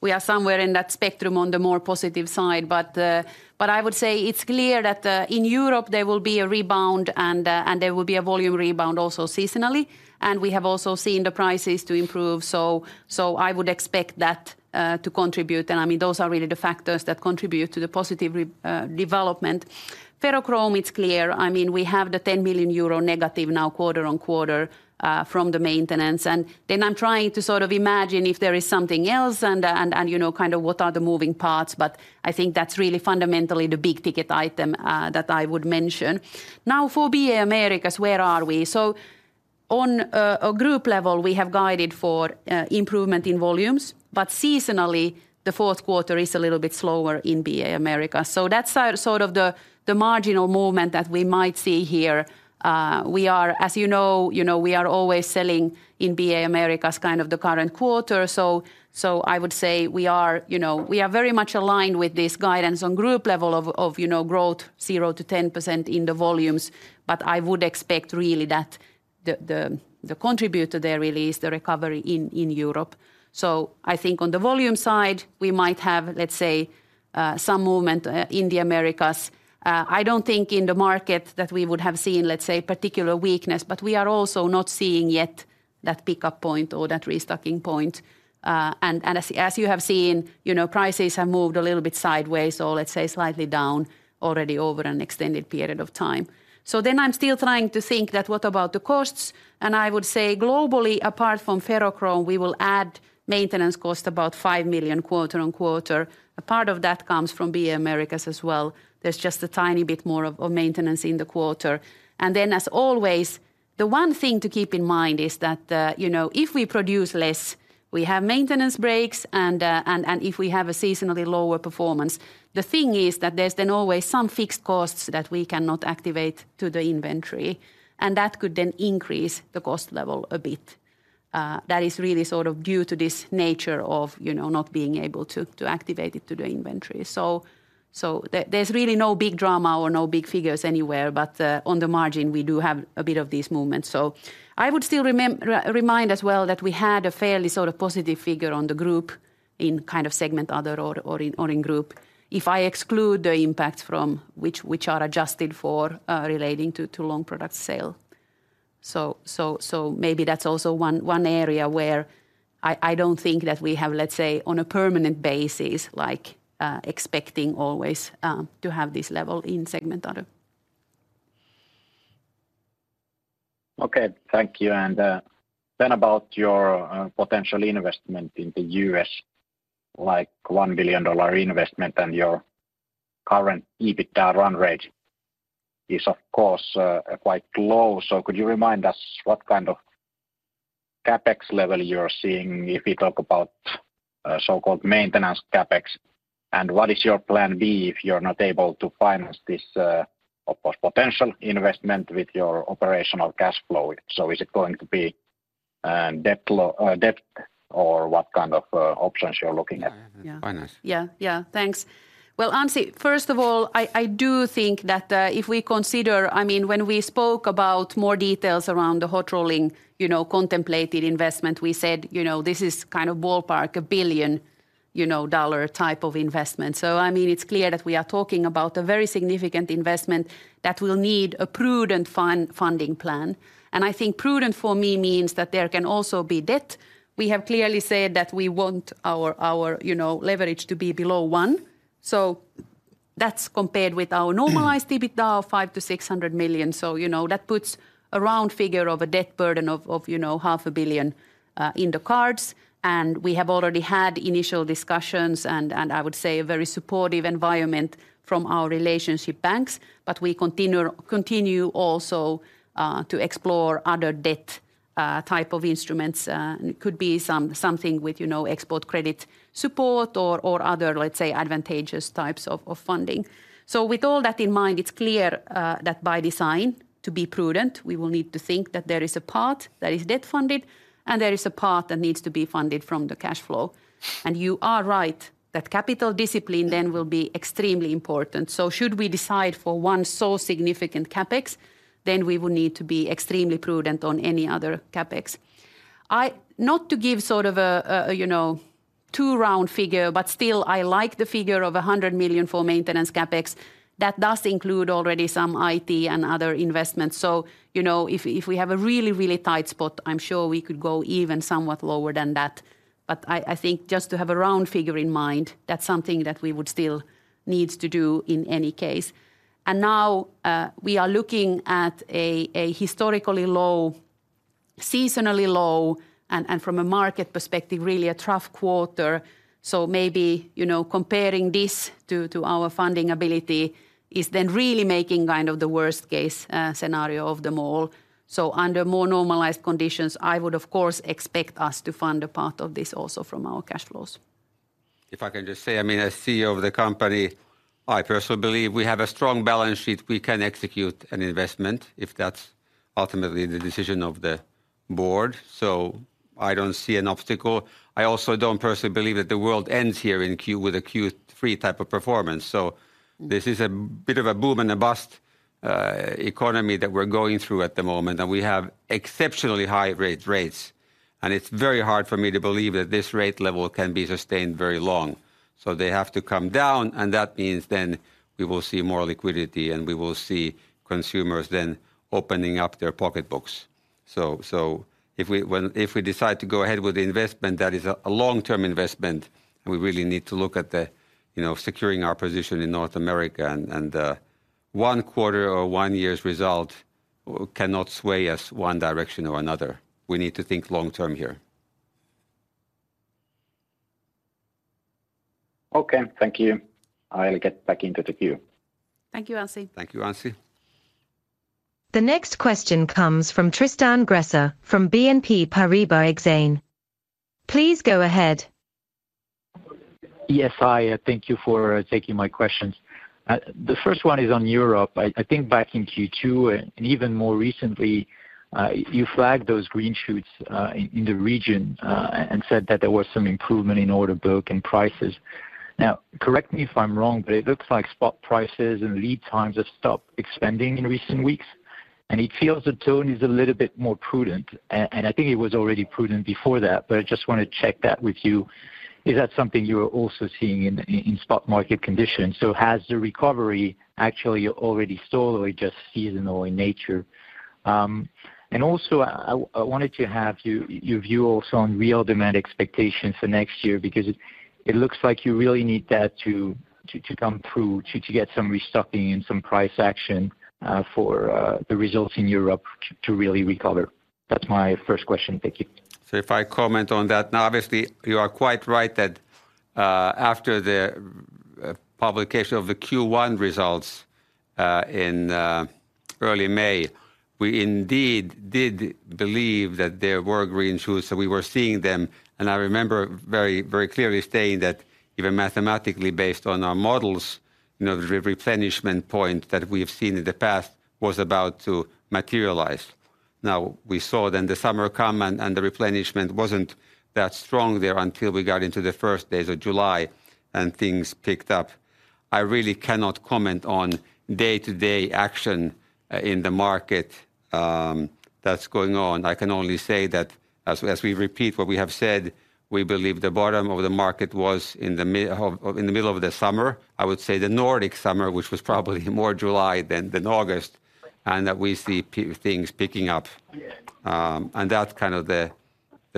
we are somewhere in that spectrum on the more positive side. But I would say it's clear that in Europe, there will be a rebound and there will be a volume rebound also seasonally, and we have also seen the prices to improve. So I would expect that to contribute. And I mean, those are really the factors that contribute to the positive development. Ferrochrome, it's clear. I mean, we have the 10 million euro negative now quarter-on-quarter from the maintenance, and then I'm trying to sort of imagine if there is something else and, and you know, kind of what are the moving parts, but I think that's really fundamentally the big-ticket item that I would mention. Now, for BA Americas, where are we? So on a group level, we have guided for improvement in volumes, but seasonally, the fourth quarter is a little bit slower in BA Americas. So that's sort of the marginal movement that we might see here. We are, as you know, you know, we are always selling in BA Americas kind of the current quarter. So I would say we are, you know, we are very much aligned with this guidance on group level of, you know, growth 0%-10% in the volumes. But I would expect really that the contributor there really is the recovery in Europe. So I think on the volume side, we might have, let's say, some movement in the Americas. I don't think in the market that we would have seen, let's say, particular weakness, but we are also not seeing yet that pickup point or that restocking point. And as you have seen, you know, prices have moved a little bit sideways or, let's say, slightly down already over an extended period of time. So then I'm still trying to think that what about the costs? I would say globally, apart from ferrochrome, we will add maintenance costs about 5 million quarter-on-quarter. A part of that comes from BA Americas as well. There's just a tiny bit more of maintenance in the quarter. And then, as always, the one thing to keep in mind is that, you know, if we produce less, we have maintenance breaks, and, and if we have a seasonally lower performance, the thing is that there's then always some fixed costs that we cannot activate to the inventory, and that could then increase the cost level a bit. That is really sort of due to this nature of, you know, not being able to, to activate it to the inventory. So, there's really no big drama or no big figures anywhere, but on the margin, we do have a bit of these movements. So I would still remind as well, that we had a fairly sort of positive figure on the group in kind of segment other or in group, if I exclude the impact from which are adjusted for relating to long product sale. So maybe that's also one area where I don't think that we have, let's say, on a permanent basis, like expecting always to have this level in segment other. Okay. Thank you, and then about your potential investment in the U.S., like $1 billion investment and your current EBITDA run rate is, of course, quite low. So could you remind us what kind of CapEx level you're seeing if we talk about so-called maintenance CapEx? And what is your plan B if you're not able to finance this, of course, potential investment with your operational cash flow? So is it going to be-... and debt, or what kind of options you're looking at? Yeah. Yeah. Finance. Yeah, yeah. Thanks. Well, Anssi, first of all, I do think that if we consider, I mean, when we spoke about more details around the hot rolling, you know, contemplated investment, we said, you know, this is kind of ballpark, $1 billion type of investment. So I mean, it's clear that we are talking about a very significant investment that will need a prudent funding plan. And I think prudent for me means that there can also be debt. We have clearly said that we want our, our, you know, leverage to be below one, so that's compared with our normalized EBITDA of 500 million-600 million. So, you know, that puts a round figure of a debt burden of, you know, 500 million in the cards, and we have already had initial discussions, and I would say a very supportive environment from our relationship banks. But we continue also to explore other debt type of instruments. It could be something with, you know, export credit support or other, let's say, advantageous types of funding. So with all that in mind, it's clear that by design, to be prudent, we will need to think that there is a part that is debt-funded and there is a part that needs to be funded from the cash flow. And you are right, that capital discipline then will be extremely important. So should we decide for one so significant CapEx, then we will need to be extremely prudent on any other CapEx. Not to give sort of a, a, you know, too round figure, but still, I like the figure of 100 million for maintenance CapEx. That does include already some IT and other investments. So, you know, if we have a really, really tight spot, I'm sure we could go even somewhat lower than that. But I think just to have a round figure in mind, that's something that we would still needs to do in any case. And now we are looking at a historically low, seasonally low, and from a market perspective, really a tough quarter. So maybe, you know, comparing this to our funding ability is then really making kind of the worst case scenario of them all. Under more normalized conditions, I would, of course, expect us to fund a part of this also from our cash flows. If I can just say, I mean, as CEO of the company, I personally believe we have a strong balance sheet. We can execute an investment if that's ultimately the decision of the Board, so I don't see an obstacle. I also don't personally believe that the world ends here in Q3 with a Q3 type of performance. So this is a bit of a boom and bust economy that we're going through at the moment, and we have exceptionally high rates. It's very hard for me to believe that this rate level can be sustained very long. So they have to come down, and that means then we will see more liquidity, and we will see consumers then opening up their pocketbooks. If we decide to go ahead with the investment, that is a long-term investment, and we really need to look at the, you know, securing our position in North America, and one quarter or one year's results cannot sway us one direction or another. We need to think long-term here. Okay, thank you. I'll get back into the queue. Thank you, Anssi. Thank you, Anssi. The next question comes from Tristan Gresser from BNP Paribas Exane. Please go ahead. Yes, hi, thank you for taking my questions. The first one is on Europe. I, I think back in Q2, and even more recently, you flagged those green shoots in the region and said that there was some improvement in order book and prices. Now, correct me if I'm wrong, but it looks like spot prices and lead times have stopped expanding in recent weeks, and it feels the tone is a little bit more prudent. And I think it was already prudent before that, but I just want to check that with you. Is that something you are also seeing in spot market conditions? So has the recovery actually already stalled or just seasonal in nature? And also I wanted to have your view also on real demand expectations for next year, because it looks like you really need that to come through to get some restocking and some price action for the results in Europe to really recover? That's my first question. Thank you. So if I comment on that, now, obviously, you are quite right that, after the publication of the Q1 results, in early May, we indeed did believe that there were green shoots, so we were seeing them. And I remember very, very clearly stating that even mathematically, based on our models, you know, the replenishment point that we have seen in the past was about to materialize. Now, we saw then the summer come, and the replenishment wasn't that strong there until we got into the first days of July and things picked up. I really cannot comment on day-to-day action in the market that's going on. I can only say that as we repeat what we have said, we believe the bottom of the market was in the middle of the summer. I would say the Nordic summer, which was probably more July than August, and that we see things picking up. And that's the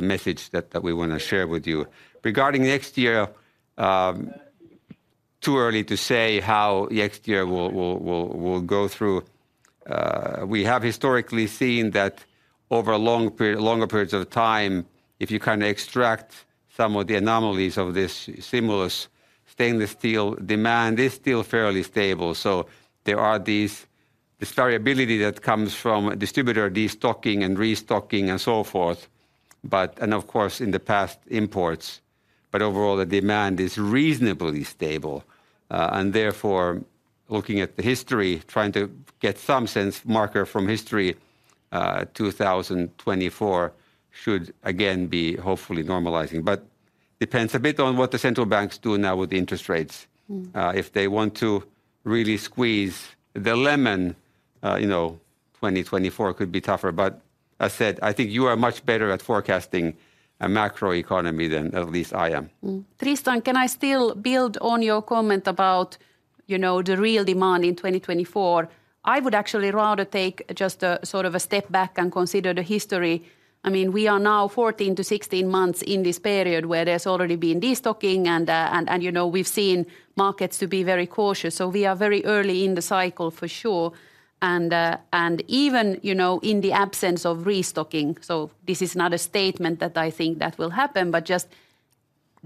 message that we wanna share with you. Regarding next year, too early to say how next year will go through. We have historically seen that over a long period, longer periods of time, if you extract some of the anomalies of this stimulus, stainless steel demand is still fairly stable. So there is this variability that comes from distributor destocking and restocking and so forth, but. Of course, in the past, imports, but overall, the demand is reasonably stable. Therefore, looking at the history, trying to get some sense marker from history, 2024 should again be hopefully normalizing. Depends a bit on what the central banks do now with the interest rates. Mm. If they want to really squeeze the lemon, you know, 2024 could be tougher. But I said, I think you are much better at forecasting a macroeconomy than at least I am. Mm. Tristan, can I still build on your comment about, you know, the real demand in 2024? I would actually rather take just a sort of a step back and consider the history. I mean, we are now 14-16 months in this period where there's already been destocking and, you know, we've seen markets to be very cautious, so we are very early in the cycle for sure. And even, you know, in the absence of restocking, so this is not a statement that I think that will happen, but just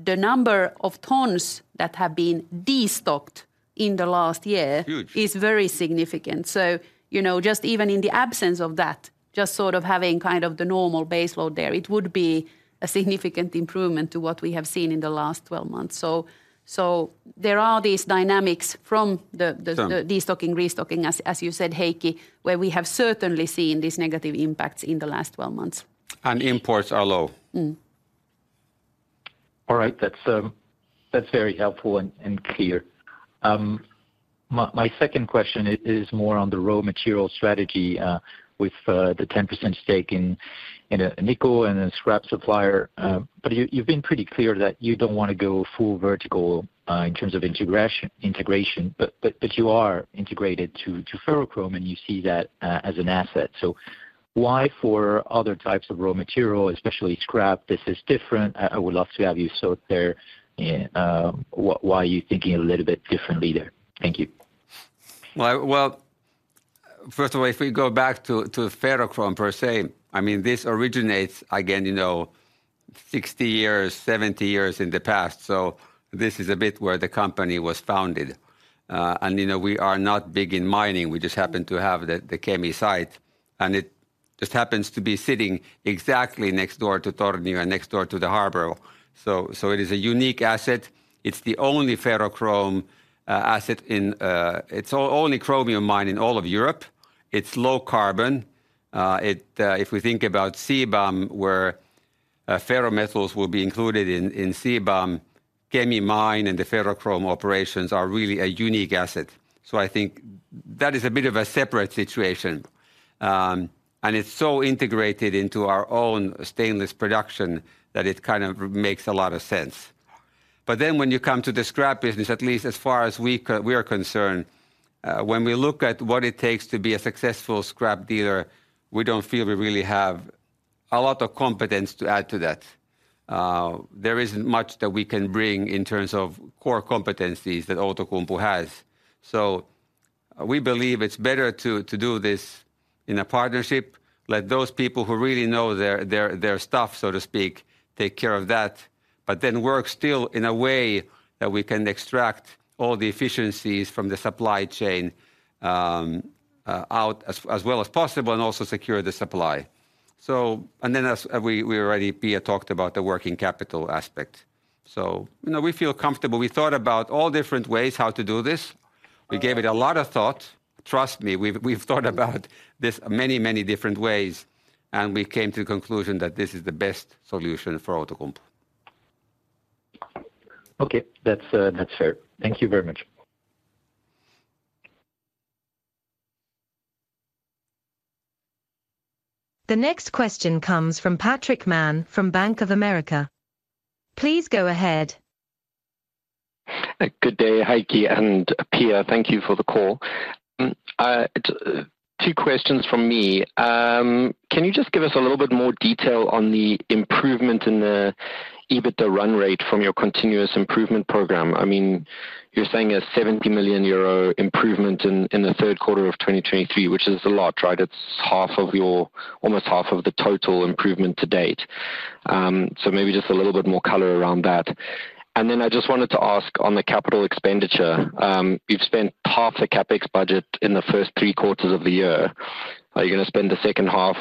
the number of tons that have been destocked in the last year- Sure.... is very significant. So, you know, just even in the absence of that, just sort of having kind of the normal base load there, it would be a significant improvement to what we have seen in the last 12 months. So, so there are these dynamics from the Sure.... destocking, restocking, as, as you said, Heikki, where we have certainly seen these negative impacts in the last 12 months. Imports are low. Mm. All right. That's, that's very helpful and, and clear. My, my second question is more on the raw material strategy, with, the 10% stake in, in a nickel and a scrap supplier. But you, you've been pretty clear that you don't wanna go full vertical, in terms of integration, integration, but, but, but you are integrated to, to ferrochrome, and you see that as an asset. So why for other types of raw material, especially scrap, this is different? I, I would love to have you sort there, and, why, why are you thinking a little bit differently there? Thank you. Well, well, first of all, if we go back to ferrochrome per se, I mean, this originates again, you know, 60 years, 70 years in the past. So this is a bit where the company was founded. And, you know, we are not big in mining. We just happen to have the Kemi site, and it just happens to be sitting exactly next door to Tornio and next door to the harbor. So it is a unique asset. It's the only ferrochrome asset in... It's only chromium mine in all of Europe. It's low carbon. If we think about CBAM, where ferrous metals will be included in CBAM, Kemi mine and the ferrochrome operations are really a unique asset. So I think that is a bit of a separate situation. It's so integrated into our own stainless production that it kind of makes a lot of sense. But then when you come to the scrap business, at least as far as we are concerned, when we look at what it takes to be a successful scrap dealer, we don't feel we really have a lot of competence to add to that. There isn't much that we can bring in terms of core competencies that Outokumpu has. So we believe it's better to do this in a partnership. Let those people who really know their stuff, so to speak, take care of that, but then work still in a way that we can extract all the efficiencies from the supply chain, out as well as possible, and also secure the supply. And then as we already, Pia talked about the working capital aspect, so you know, we feel comfortable. We thought about all different ways how to do this. We gave it a lot of thought. Trust me, we've thought about this many, many different ways, and we came to the conclusion that this is the best solution for Outokumpu. Okay. That's, that's fair. Thank you very much. The next question comes from Patrick Mann from Bank of America. Please go ahead. Good day, Heikki and Pia. Thank you for the call. Two questions from me. Can you just give us a little bit more detail on the improvement in the EBITDA run rate from your continuous improvement program? I mean, you're saying a 70 million euro improvement in the third quarter of 2023, which is a lot, right? It's half of your... almost half of the total improvement to date. So maybe just a little bit more color around that. And then I just wanted to ask on the capital expenditure. You've spent half the CapEx budget in the first three quarters of the year. Are you gonna spend the second half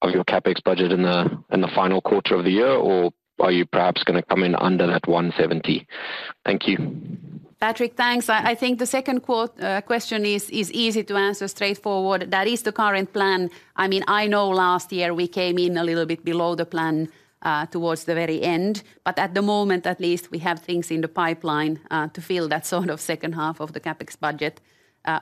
of your CapEx budget in the final quarter of the year, or are you perhaps gonna come in under that 170 million? Thank you. Patrick, thanks. I think the second question is easy to answer, straightforward. That is the current plan. I mean, I know last year we came in a little bit below the plan towards the very end, but at the moment at least, we have things in the pipeline to fill that sort of second half of the CapEx budget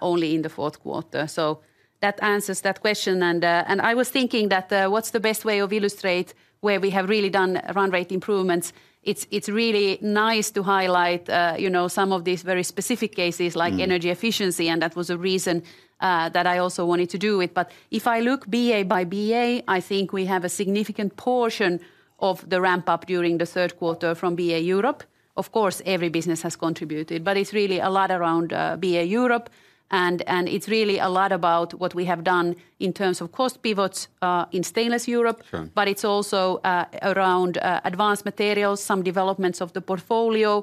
only in the fourth quarter. So that answers that question. And I was thinking that what's the best way of illustrate where we have really done run rate improvements? It's really nice to highlight you know some of these very specific cases- Mm.... like energy efficiency, and that was a reason, that I also wanted to do it. But if I look BA by BA, I think we have a significant portion of the ramp-up during the third quarter from BA Europe. Of course, every business has contributed, but it's really a lot around, BA Europe, and, and it's really a lot about what we have done in terms of cost pivots, in Stainless Europe. Sure. But it's also around Advanced Materials, some developments of the portfolio,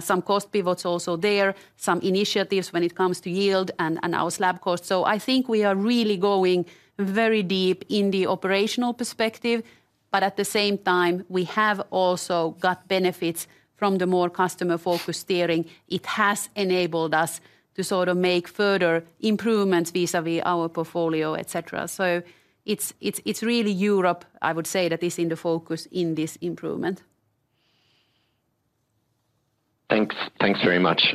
some cost pivots also there, some initiatives when it comes to yield and our slab cost. So I think we are really going very deep in the operational perspective. But at the same time, we have also got benefits from the more customer-focused steering. It has enabled us to sort of make further improvements vis-à-vis our portfolio, et cetera. So it's really Europe, I would say, that is in the focus in this improvement. Thanks. Thanks very much.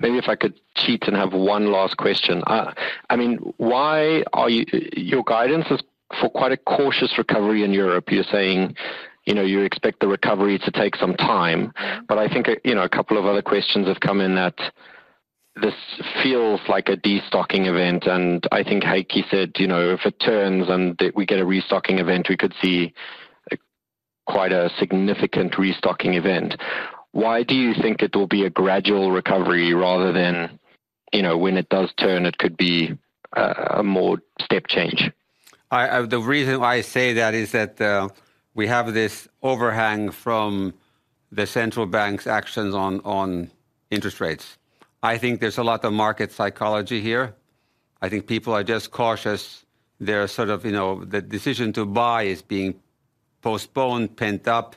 Maybe if I could cheat and have one last question. I mean, why are you, your guidance is for quite a cautious recovery in Europe. You're saying, you know, you expect the recovery to take some time. But I think, you know, a couple of other questions have come in that this feels like a destocking event, and I think Heikki said, you know, if it turns and that we get a restocking event, we could see quite a significant restocking event. Why do you think it will be a gradual recovery rather than, you know, when it does turn, it could be a more step change? The reason why I say that is that we have this overhang from the central bank's actions on interest rates. I think there's a lot of market psychology here. I think people are just cautious. They're sort of, you know, the decision to buy is being postponed, pent up.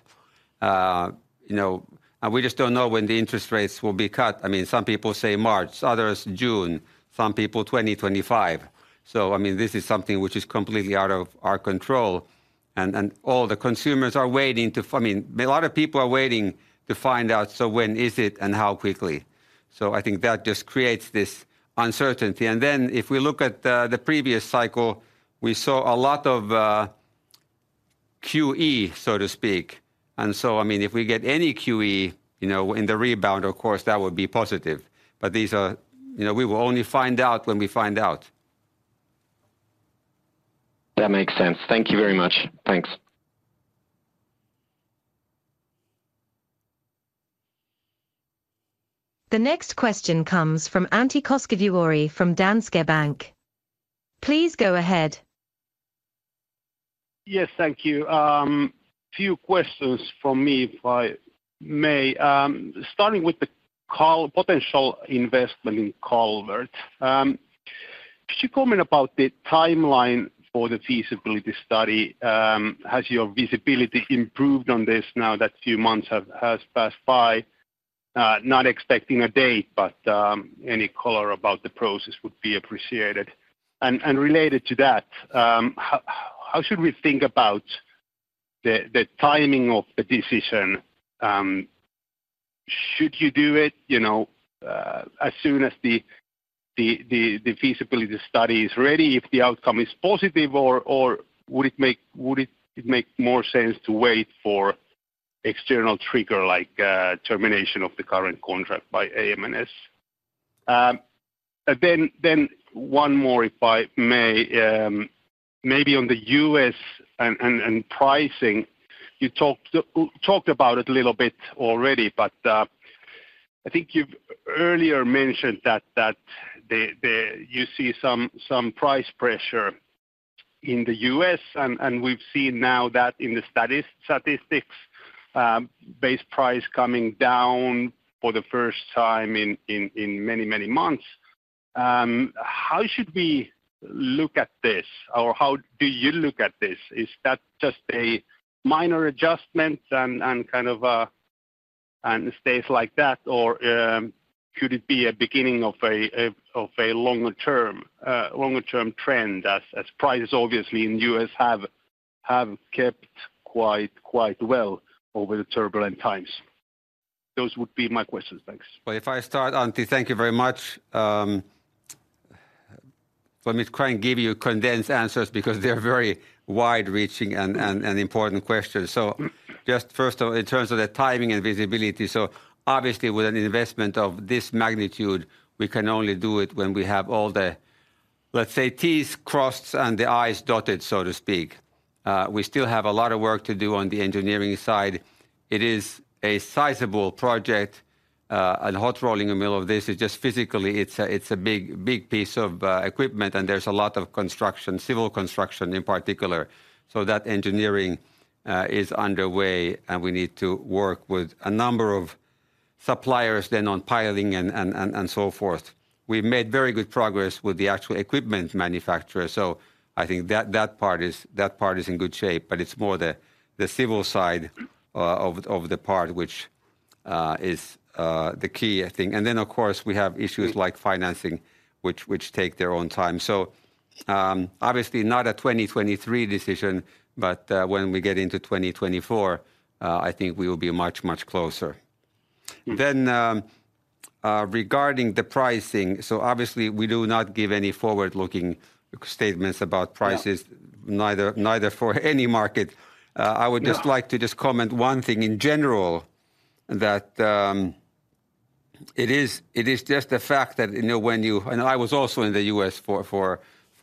You know, and we just don't know when the interest rates will be cut. I mean, some people say March, others June, some people 2025. So I mean, this is something which is completely out of our control, and all the consumers are waiting to—I mean, a lot of people are waiting to find out, so when is it and how quickly? So I think that just creates this uncertainty. And then, if we look at the previous cycle, we saw a lot of QE, so to speak. So, I mean, if we get any QE, you know, in the rebound, of course, that would be positive. But these are. You know, we will only find out when we find out. That makes sense. Thank you very much. Thanks. The next question comes from Antti Koskivuori from Danske Bank. Please go ahead. Yes, thank you. Few questions from me, if I may. Starting with the call, potential investment in Calvert. Could you comment about the timeline for the feasibility study? Has your visibility improved on this now that few months have passed by? Not expecting a date, but any color about the process would be appreciated. And related to that, how should we think about the timing of the decision? Should you do it, you know, as soon as the feasibility study is ready, if the outcome is positive, or would it make more sense to wait for external trigger, like termination of the current contract by AM/NS? And then one more, if I may, maybe on the US and pricing. You talked about it a little bit already, but I think you've earlier mentioned that you see some price pressure in the U.S., and we've seen now that in the statistics, base price coming down for the first time in many months. How should we look at this, or how do you look at this? Is that just a minor adjustment and kind of it stays like that, or could it be a beginning of a longer term trend, as prices obviously in the U.S. have kept quite well over the turbulent times? Those would be my questions. Thanks. Well, if I start, Antti, thank you very much. Let me try and give you condensed answers because they're very wide-reaching and important questions. So just first of all, in terms of the timing and visibility, so obviously with an investment of this magnitude, we can only do it when we have all the, let's say, T's crossed and the I's dotted, so to speak. We still have a lot of work to do on the engineering side. It is a sizable project. And hot rolling a mill of this is just physically, it's a big, big piece of equipment, and there's a lot of construction, civil construction in particular. So that engineering is underway, and we need to work with a number of suppliers then on piling and so forth. We've made very good progress with the actual equipment manufacturer, so I think that, that part is, that part is in good shape, but it's more the, the civil side, of, of the part which, is, the key, I think. And then, of course, we have issues like financing, which, which take their own time. So, obviously not a 2023 decision, but, when we get into 2024, I think we will be much, much closer. Then, regarding the pricing, so obviously, we do not give any forward-looking statements about prices- Yeah.... neither, neither for any market. I would- Yeah.... just like to comment one thing in general, that it is just the fact that, you know, when I was also in the U.S. for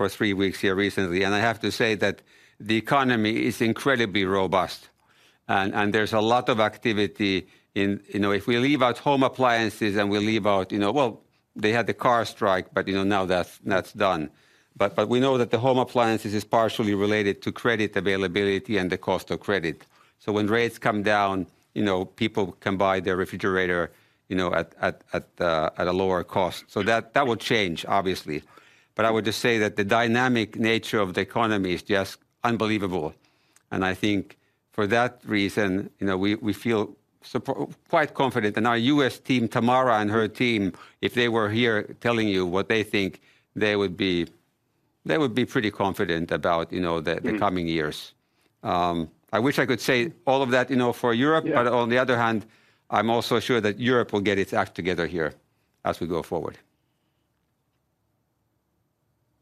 three weeks here recently, and I have to say that the economy is incredibly robust, and there's a lot of activity in... You know, if we leave out home appliances and we leave out, you know, well, they had the car strike, but, you know, now that's done. But we know that the home appliances is partially related to credit availability and the cost of credit. So when rates come down, you know, people can buy their refrigerator, you know, at a lower cost. So that will change, obviously. But I would just say that the dynamic nature of the economy is just unbelievable, and I think for that reason, you know, we feel quite confident. Our U.S. team, Tamara and her team, if they were here telling you what they think, they would be pretty confident about, you know- Mm.... the coming years. I wish I could say all of that, you know, for Europe. Yeah. On the other hand, I'm also sure that Europe will get its act together here as we go forward.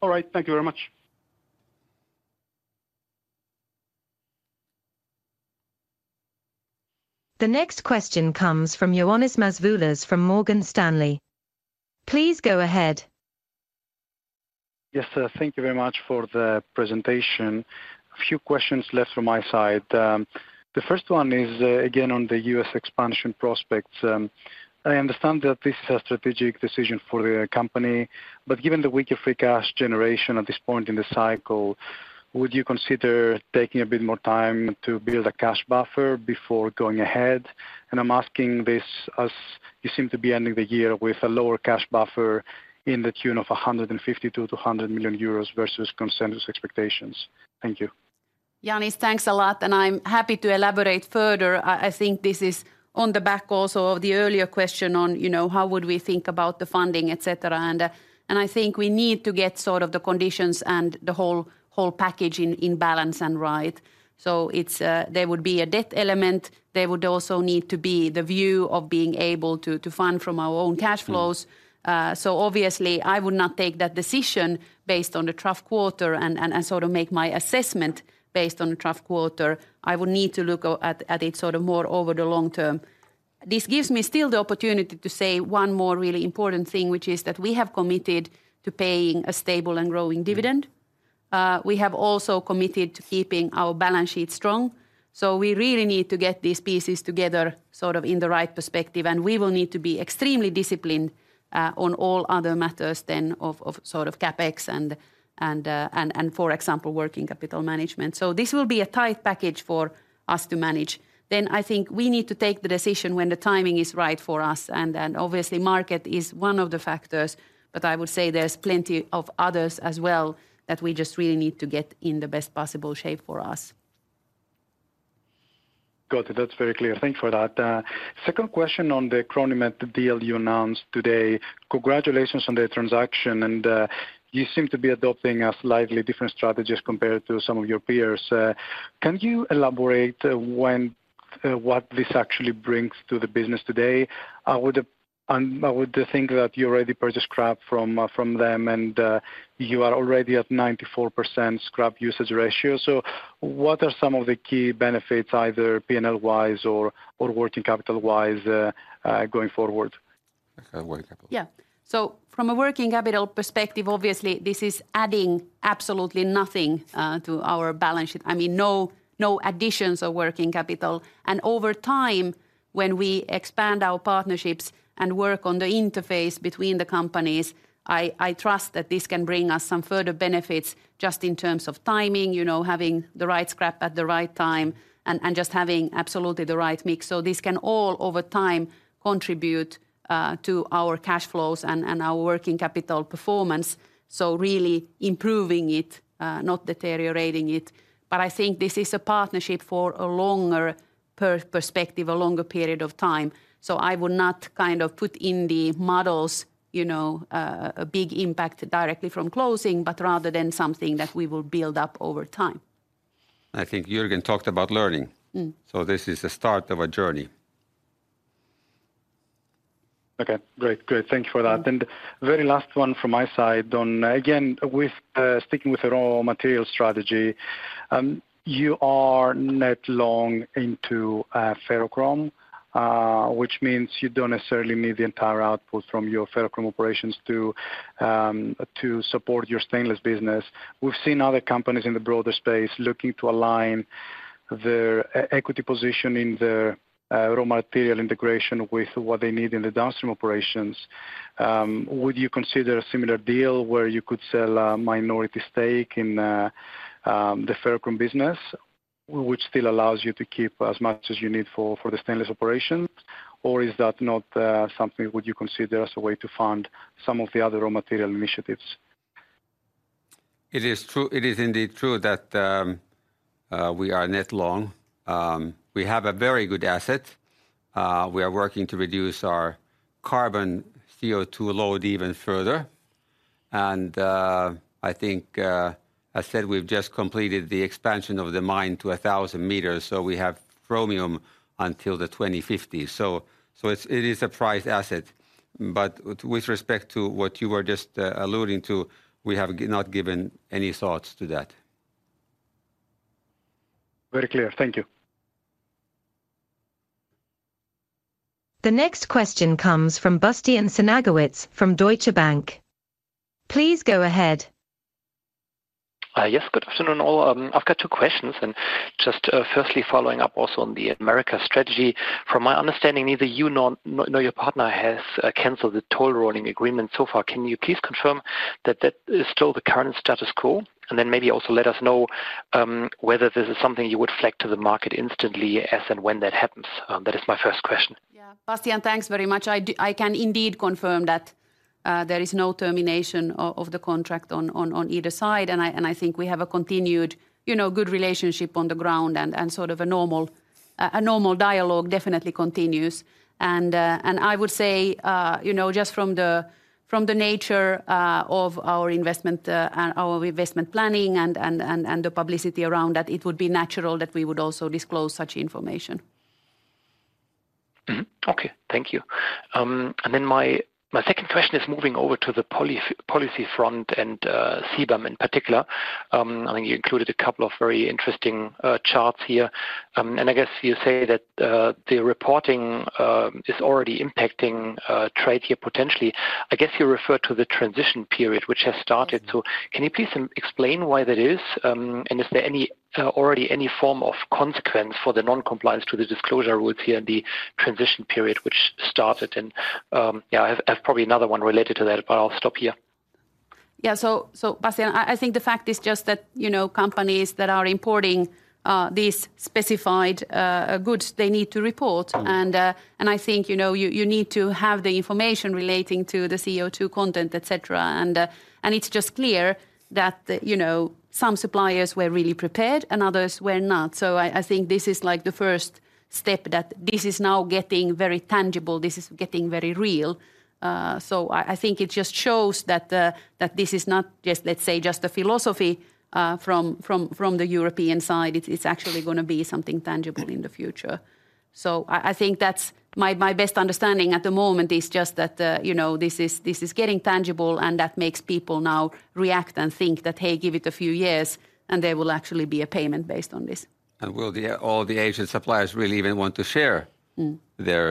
All right. Thank you very much. The next question comes from Ioannis Masvoulas from Morgan Stanley. Please go ahead. Yes, sir, thank you very much for the presentation. A few questions left from my side. The first one is, again, on the U.S. expansion prospects. I understand that this is a strategic decision for the company, but given the weaker free cash generation at this point in the cycle, would you consider taking a bit more time to build a cash buffer before going ahead? And I'm asking this as you seem to be ending the year with a lower cash buffer in the tune of 150 million-200 million euros versus consensus expectations. Thank you. Ioannis, thanks a lot, and I'm happy to elaborate further. I think this is on the back also of the earlier question on, you know, how would we think about the funding, et cetera? And I think we need to get sort of the conditions and the whole package in balance and right. So it's there would be a debt element. There would also need to be the view of being able to fund from our own cash flows. Mm. So obviously, I would not take that decision based on the tough quarter and sort of make my assessment based on the tough quarter. I would need to look at it sort of more over the long term. This gives me still the opportunity to say one more really important thing, which is that we have committed to paying a stable and growing dividend. We have also committed to keeping our balance sheet strong, so we really need to get these pieces together, sort of in the right perspective, and we will need to be extremely disciplined on all other matters than of sort of CapEx and for example, working capital management. So this will be a tight package for us to manage. I think we need to take the decision when the timing is right for us, and then obviously, market is one of the factors, but I would say there's plenty of others as well, that we just really need to get in the best possible shape for us. Got it. That's very clear. Thank you for that. Second question on the CRONIMET deal you announced today. Congratulations on the transaction, and you seem to be adopting a slightly different strategy as compared to some of your peers. Can you elaborate, when, what this actually brings to the business today? I would, I would think that you already purchase scrap from them, and you are already at 94% scrap usage ratio. So what are some of the key benefits, either P&L wise or working capital wise, going forward? Working capital. Yeah. So from a working capital perspective, obviously this is adding absolutely nothing to our balance sheet. I mean, no, no additions of working capital. And over time, when we expand our partnerships and work on the interface between the companies, I trust that this can bring us some further benefits just in terms of timing, you know, having the right scrap at the right time and just having absolutely the right mix. So this can all, over time, contribute to our cash flows and our working capital performance. So really improving it, not deteriorating it. But I think this is a partnership for a longer perspective, a longer period of time. So I would not kind of put in the models, you know, a big impact directly from closing, but rather than something that we will build up over time. I think Jürgen talked about learning. Mm. This is the start of a journey. Okay, great. Great, thank you for that. Mm. Very last one from my side on. Again, sticking with the raw material strategy, you are net long into ferrochrome, which means you don't necessarily need the entire output from your ferrochrome operations to support your stainless business. We've seen other companies in the broader space looking to align their equity position in their raw material integration with what they need in the downstream operations. Would you consider a similar deal where you could sell a minority stake in the ferrochrome business, which still allows you to keep as much as you need for the stainless operations? Or is that not something would you consider as a way to fund some of the other raw material initiatives? It is true. It is indeed true that, we are net long. We have a very good asset. We are working to reduce our carbon CO2 load even further, and, I think, I said we've just completed the expansion of the mine to 1,000 meters, so we have chromium until the 2050s. So, so it's, it is a prized asset. But with, with respect to what you were just, alluding to, we have not given any thoughts to that. Very clear. Thank you. The next question comes from Bastian Synagowitz from Deutsche Bank. Please go ahead. Yes, good afternoon, all. I've got two questions, and just, firstly, following up also on the America strategy. From my understanding, neither you nor, nor your partner has canceled the toll rolling agreement so far. Can you please confirm that that is still the current status quo? And then maybe also let us know whether this is something you would flag to the market instantly, as and when that happens. That is my first question. Bastian, thanks very much. I can indeed confirm that there is no termination of the contract on either side, and I think we have a continued, you know, good relationship on the ground, and sort of a normal dialogue definitely continues. And I would say, you know, just from the nature of our investment and our investment planning and the publicity around that, it would be natural that we would also disclose such information. Mm-hmm. Okay. Thank you. And then my second question is moving over to the policy front and CBAM in particular. I think you included a couple of very interesting charts here. And I guess you say that the reporting is already impacting trade here potentially. I guess you refer to the transition period, which has started. So can you please explain why that is? And is there already any form of consequence for the non-compliance to the disclosure rules here in the transition period, which started? And yeah, I have probably another one related to that, but I'll stop here. Yeah, so, Bastian, I think the fact is just that, you know, companies that are importing these specified goods, they need to report. Mm-hmm. I think, you know, you need to have the information relating to the CO2 content, et cetera. And it's just clear that, you know, some suppliers were really prepared and others were not. So I think this is like the first step, that this is now getting very tangible, this is getting very real. So I think it just shows that this is not just, let's say, just a philosophy from the European side. It's actually gonna be something tangible in the future. So I think that's... My best understanding at the moment is just that, you know, this is getting tangible, and that makes people now react and think that, "Hey, give it a few years, and there will actually be a payment based on this. Will all the Asian suppliers really even want to share- Mm.... their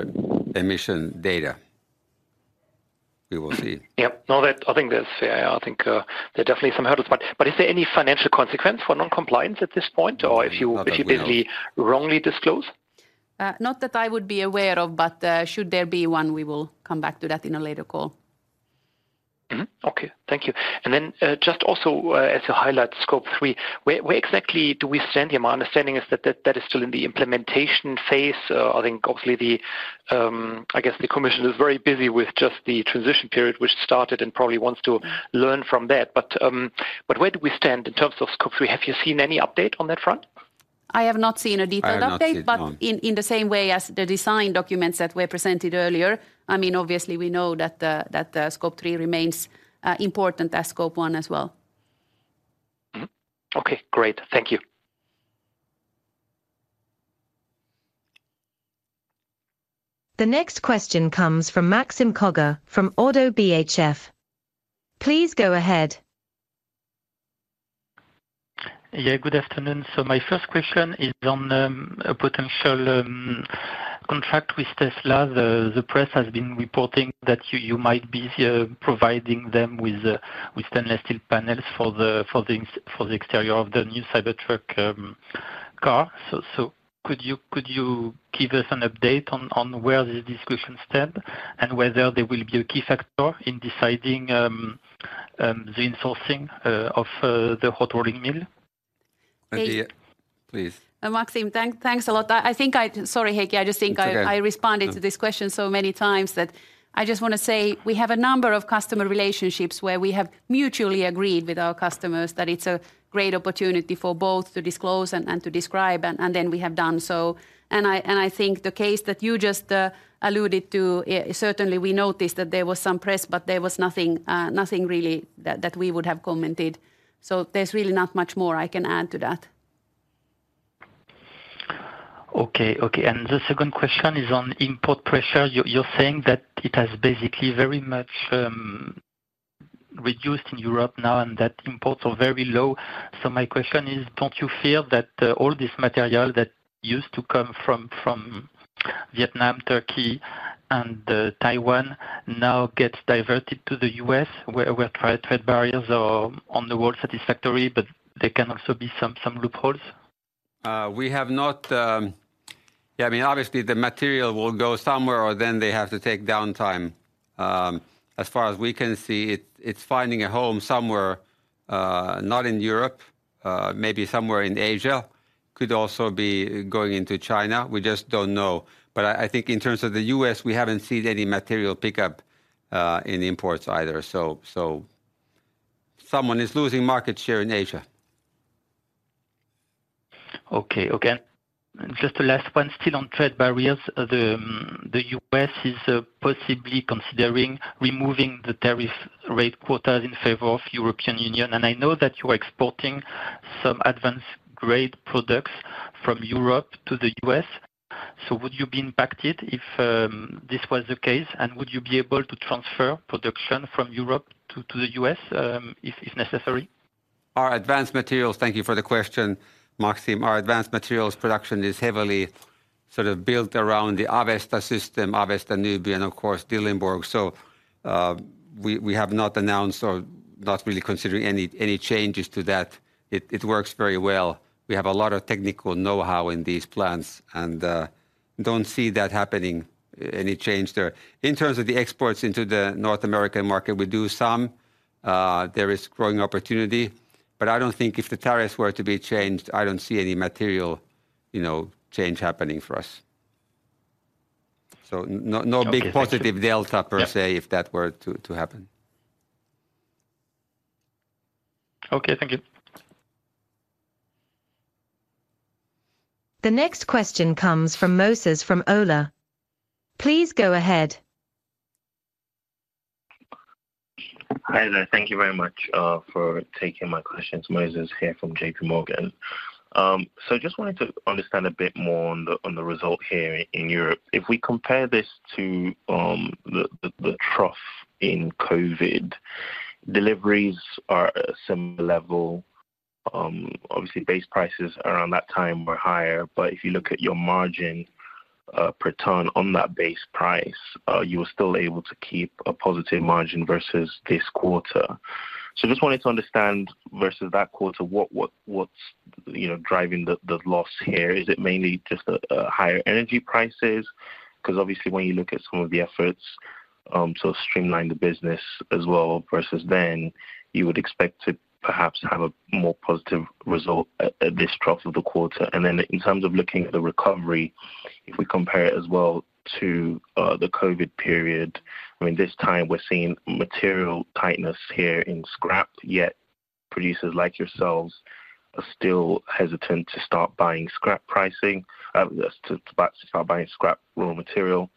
emission data? We will see. Mm-hmm. Yep. No, that. I think that's fair. I think, there are definitely some hurdles, but, but is there any financial consequence for non-compliance at this point? We know.... or if you basically wrongly disclose? Not that I would be aware of, but should there be one, we will come back to that in a later call. Mm-hmm. Okay. Thank you. And then, just also, as you highlight Scope 3, where, where exactly do we stand here? My understanding is that that, that is still in the implementation phase. I think, obviously, the, I guess the commission is very busy with just the transition period, which started, and probably wants to learn from that. But, but where do we stand in terms of Scope 3? Have you seen any update on that front? I have not seen a detailed update- I have not seen, no.... but in the same way as the design documents that were presented earlier, I mean, obviously, we know that the Scope 3 remains important as Scope 1 as well. Mm-hmm. Okay, great. Thank you. The next question comes from Maxime Kogge from ODDO BHF. Please go ahead. Yeah, good afternoon. So my first question is on a potential contract with Tesla. The press has been reporting that you might be providing them with stainless steel panels for the exterior of the new Cybertruck car. So could you give us an update on where the discussions stand and whether they will be a key factor in deciding the insourcing of the hot rolling mill? Yeah, please. Maxime, thanks a lot. I think I. Sorry, Heikki, I just think I- It's okay. I responded to this question so many times, that I just wanna say we have a number of customer relationships where we have mutually agreed with our customers that it's a great opportunity for both to disclose and to describe, and then we have done so. And I think the case that you just alluded to, certainly we noticed that there was some press, but there was nothing really that we would have commented. So there's really not much more I can add to that. Okay, okay, and the second question is on import pressure. You're saying that it has basically very much reduced in Europe now and that imports are very low. So my question is: Don't you feel that all this material that used to come from Vietnam, Turkey, and Taiwan now gets diverted to the US, where trade barriers are on the whole satisfactory, but there can also be some loopholes? We have not. Yeah, I mean, obviously, the material will go somewhere, or then they have to take downtime. As far as we can see, it, it's finding a home somewhere, not in Europe, maybe somewhere in Asia. Could also be going into China. We just don't know. But I think in terms of the U.S., we haven't seen any material pickup in imports either. So someone is losing market share in Asia. Okay, okay. Just the last one, still on trade barriers. The U.S. is possibly considering removing the tariff rate quotas in favor of European Union, and I know that you are exporting some advanced grade products from Europe to the U.S. So would you be impacted if this was the case? And would you be able to transfer production from Europe to the U.S., if necessary? Our Advanced Materials... Thank you for the question, Maxime. Our Advanced Materials production is heavily sort of built around the Avesta system, Avesta Nyby, and of course, Dillenburg. So, we have not announced or not really considering any changes to that. It works very well. We have a lot of technical know-how in these plants and don't see that happening, any change there. In terms of the exports into the North American market, we do some. There is growing opportunity, but I don't think if the tariffs were to be changed, I don't see any material, you know, change happening for us. So no, no big- Okay, thank you. positive delta per se- Yeah.... if that were to happen. Okay, thank you. The next question comes from Moses Ola. Please go ahead. Hi there. Thank you very much for taking my questions. Moses here from JPMorgan. So just wanted to understand a bit more on the result here in Europe. If we compare this to the trough in COVID, deliveries are at a similar level. Obviously, base prices around that time were higher, but if you look at your margin per ton on that base price, you were still able to keep a positive margin versus this quarter. So just wanted to understand, versus that quarter, what's, you know, driving the loss here? Is it mainly just higher energy prices? Because obviously when you look at some of the efforts to streamline the business as well versus then, you would expect to perhaps have a more positive result at this trough of the quarter. And then in terms of looking at the recovery, if we compare it as well to the COVID period, I mean, this time we're seeing material tightness here in scrap, yet producers like yourselves are still hesitant to start buying scrap pricing to start buying scrap raw material.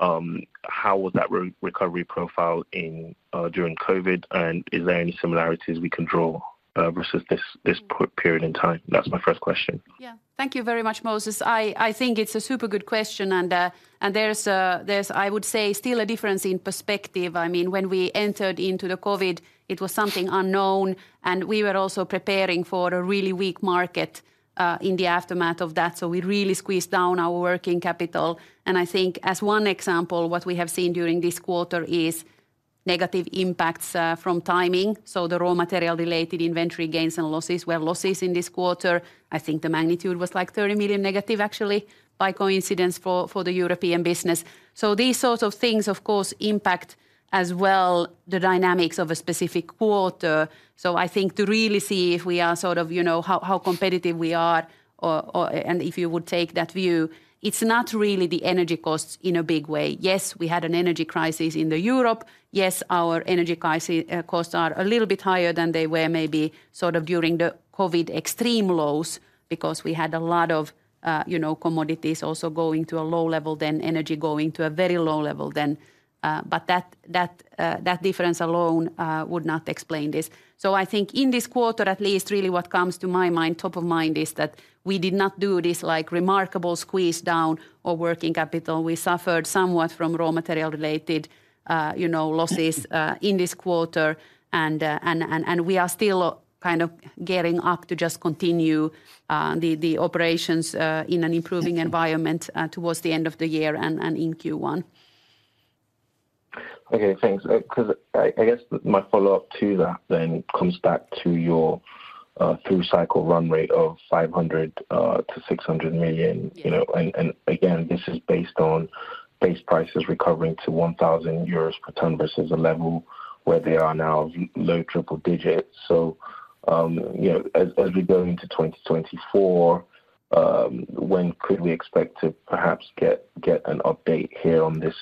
How would that re-recovery profile in during COVID, and is there any similarities we can draw versus this period in time? That's my first question. Yeah. Thank you very much, Moses. I think it's a super good question, and there's still a difference in perspective. I mean, when we entered into the COVID, it was something unknown, and we were also preparing for a really weak market in the aftermath of that, so we really squeezed down our working capital. And I think as one example, what we have seen during this quarter is negative impacts from timing, so the raw material-related inventory gains and losses. We have losses in this quarter. I think the magnitude was, like, -30 million, actually, by coincidence for the European business. So these sorts of things, of course, impact as well the dynamics of a specific quarter. So I think to really see if we are sort of, you know, how competitive we are, or... If you would take that view, it's not really the energy costs in a big way. Yes, we had an energy crisis in Europe. Yes, our energy crisis costs are a little bit higher than they were maybe sort of during the COVID extreme lows because we had a lot of, you know, commodities also going to a low level, then energy going to a very low level then. But that, that difference alone would not explain this. So I think in this quarter, at least, really what comes to my mind, top of mind, is that we did not do this like remarkable squeeze down of working capital. We suffered somewhat from raw material-related, you know, losses in this quarter. We are still kind of gearing up to just continue the operations in an improving environment towards the end of the year and in Q1. Okay, thanks. 'Cause I guess my follow-up to that then comes back to your through cycle run rate of 500 million-600 million, you know. And again, this is based on base prices recovering to 1,000 euros per ton versus a level where they are now low triple digits. So, you know, as we go into 2024, when could we expect to perhaps get an update here on this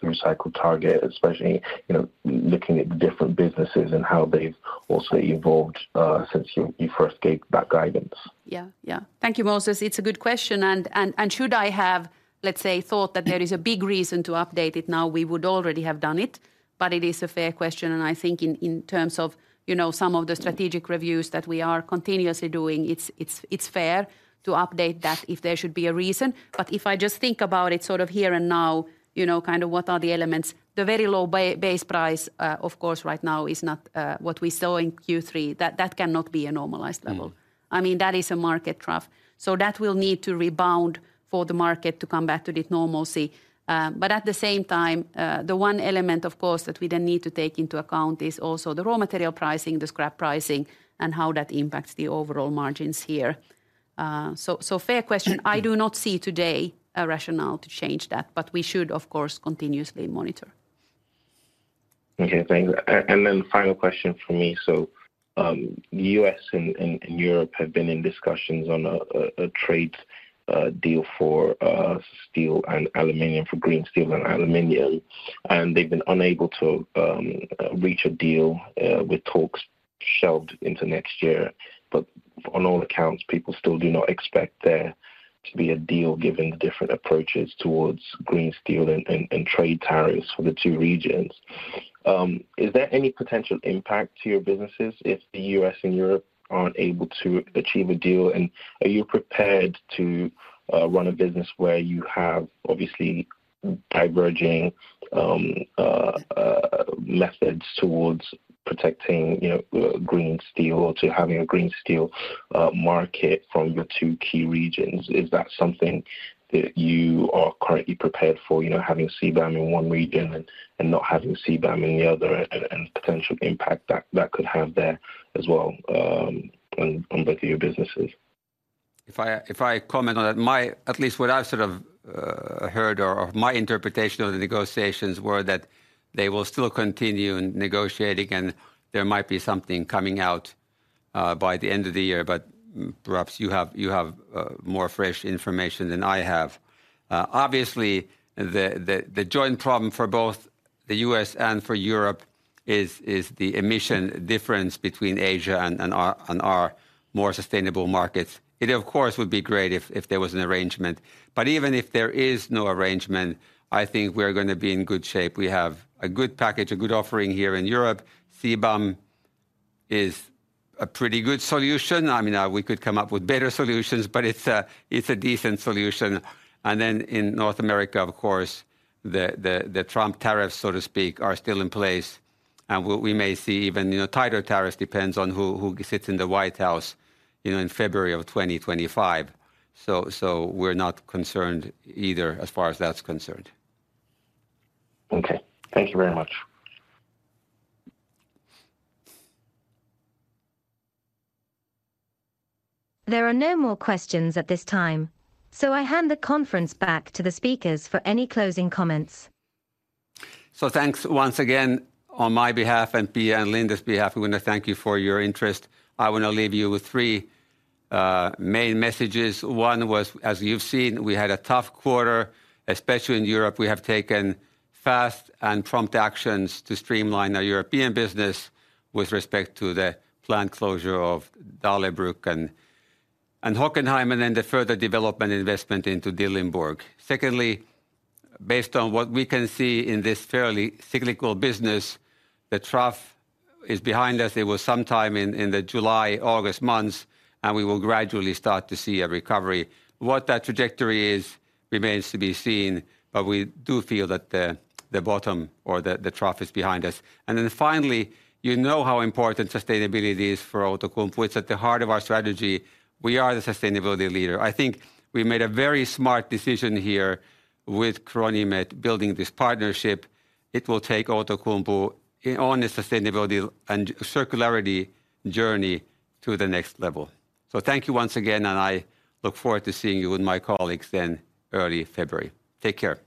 through cycle target, especially, you know, looking at different businesses and how they've also evolved since you first gave that guidance? Yeah, yeah. Thank you, Moses. It's a good question, and should I have, let's say, thought that there is a big reason to update it now, we would already have done it, but it is a fair question. And I think in terms of, you know, some of the strategic reviews that we are continuously doing, it's fair to update that if there should be a reason. But if I just think about it sort of here and now, you know, kind of what are the elements, the very low base price, of course, right now is not what we saw in Q3. That cannot be a normalized level. Mm. I mean, that is a market trough, so that will need to rebound for the market to come back to the normalcy. But at the same time, the one element, of course, that we then need to take into account is also the raw material pricing, the scrap pricing, and how that impacts the overall margins here. So fair question. I do not see today a rationale to change that, but we should, of course, continuously monitor. Okay, thanks. And then final question from me. So, U.S. and Europe have been in discussions on a trade deal for steel and aluminum, for green steel and aluminum, and they've been unable to reach a deal with talks shelved into next year. But on all accounts, people still do not expect there to be a deal, given the different approaches towards green steel and trade tariffs for the two regions. Is there any potential impact to your businesses if the U.S. and Europe aren't able to achieve a deal? And are you prepared to run a business where you have obviously diverging methods towards protecting, you know, green steel or to having a green steel market from your two key regions? Is that something that you are currently prepared for, you know, having CBAM in one region and not having CBAM in the other and potential impact that could have there as well, on both of your businesses? If I comment on that, at least what I've sort of heard or my interpretation of the negotiations were that they will still continue in negotiating, and there might be something coming out by the end of the year. But perhaps you have more fresh information than I have. Obviously, the joint problem for both the U.S. and for Europe is the emission difference between Asia and our more sustainable markets. It, of course, would be great if there was an arrangement, but even if there is no arrangement, I think we're gonna be in good shape. We have a good package, a good offering here in Europe. CBAM is a pretty good solution. I mean, we could come up with better solutions, but it's a decent solution. Then in North America, of course, the Trump tariffs, so to speak, are still in place. What we may see even, you know, tighter tariffs depends on who sits in the White House, you know, in February of 2025. So, we're not concerned either as far as that's concerned. Okay. Thank you very much. There are no more questions at this time, so I hand the conference back to the speakers for any closing comments. So thanks once again on my behalf and Pia and Linda's behalf, we want to thank you for your interest. I want to leave you with three main messages. One was, as you've seen, we had a tough quarter, especially in Europe. We have taken fast and prompt actions to streamline our European business with respect to the plant closure of Dahlerbrück and Hockenheim, and then the further development investment into Dillenburg. Secondly, based on what we can see in this fairly cyclical business, the trough is behind us. It was sometime in the July, August months, and we will gradually start to see a recovery. What that trajectory is remains to be seen, but we do feel that the bottom or the trough is behind us. Then finally, you know how important sustainability is for Outokumpu. It's at the heart of our strategy. We are the sustainability leader. I think we made a very smart decision here with CRONIMET, building this partnership. It will take Outokumpu on a sustainability and circularity journey to the next level. So thank you once again, and I look forward to seeing you and my colleagues in early February. Take care.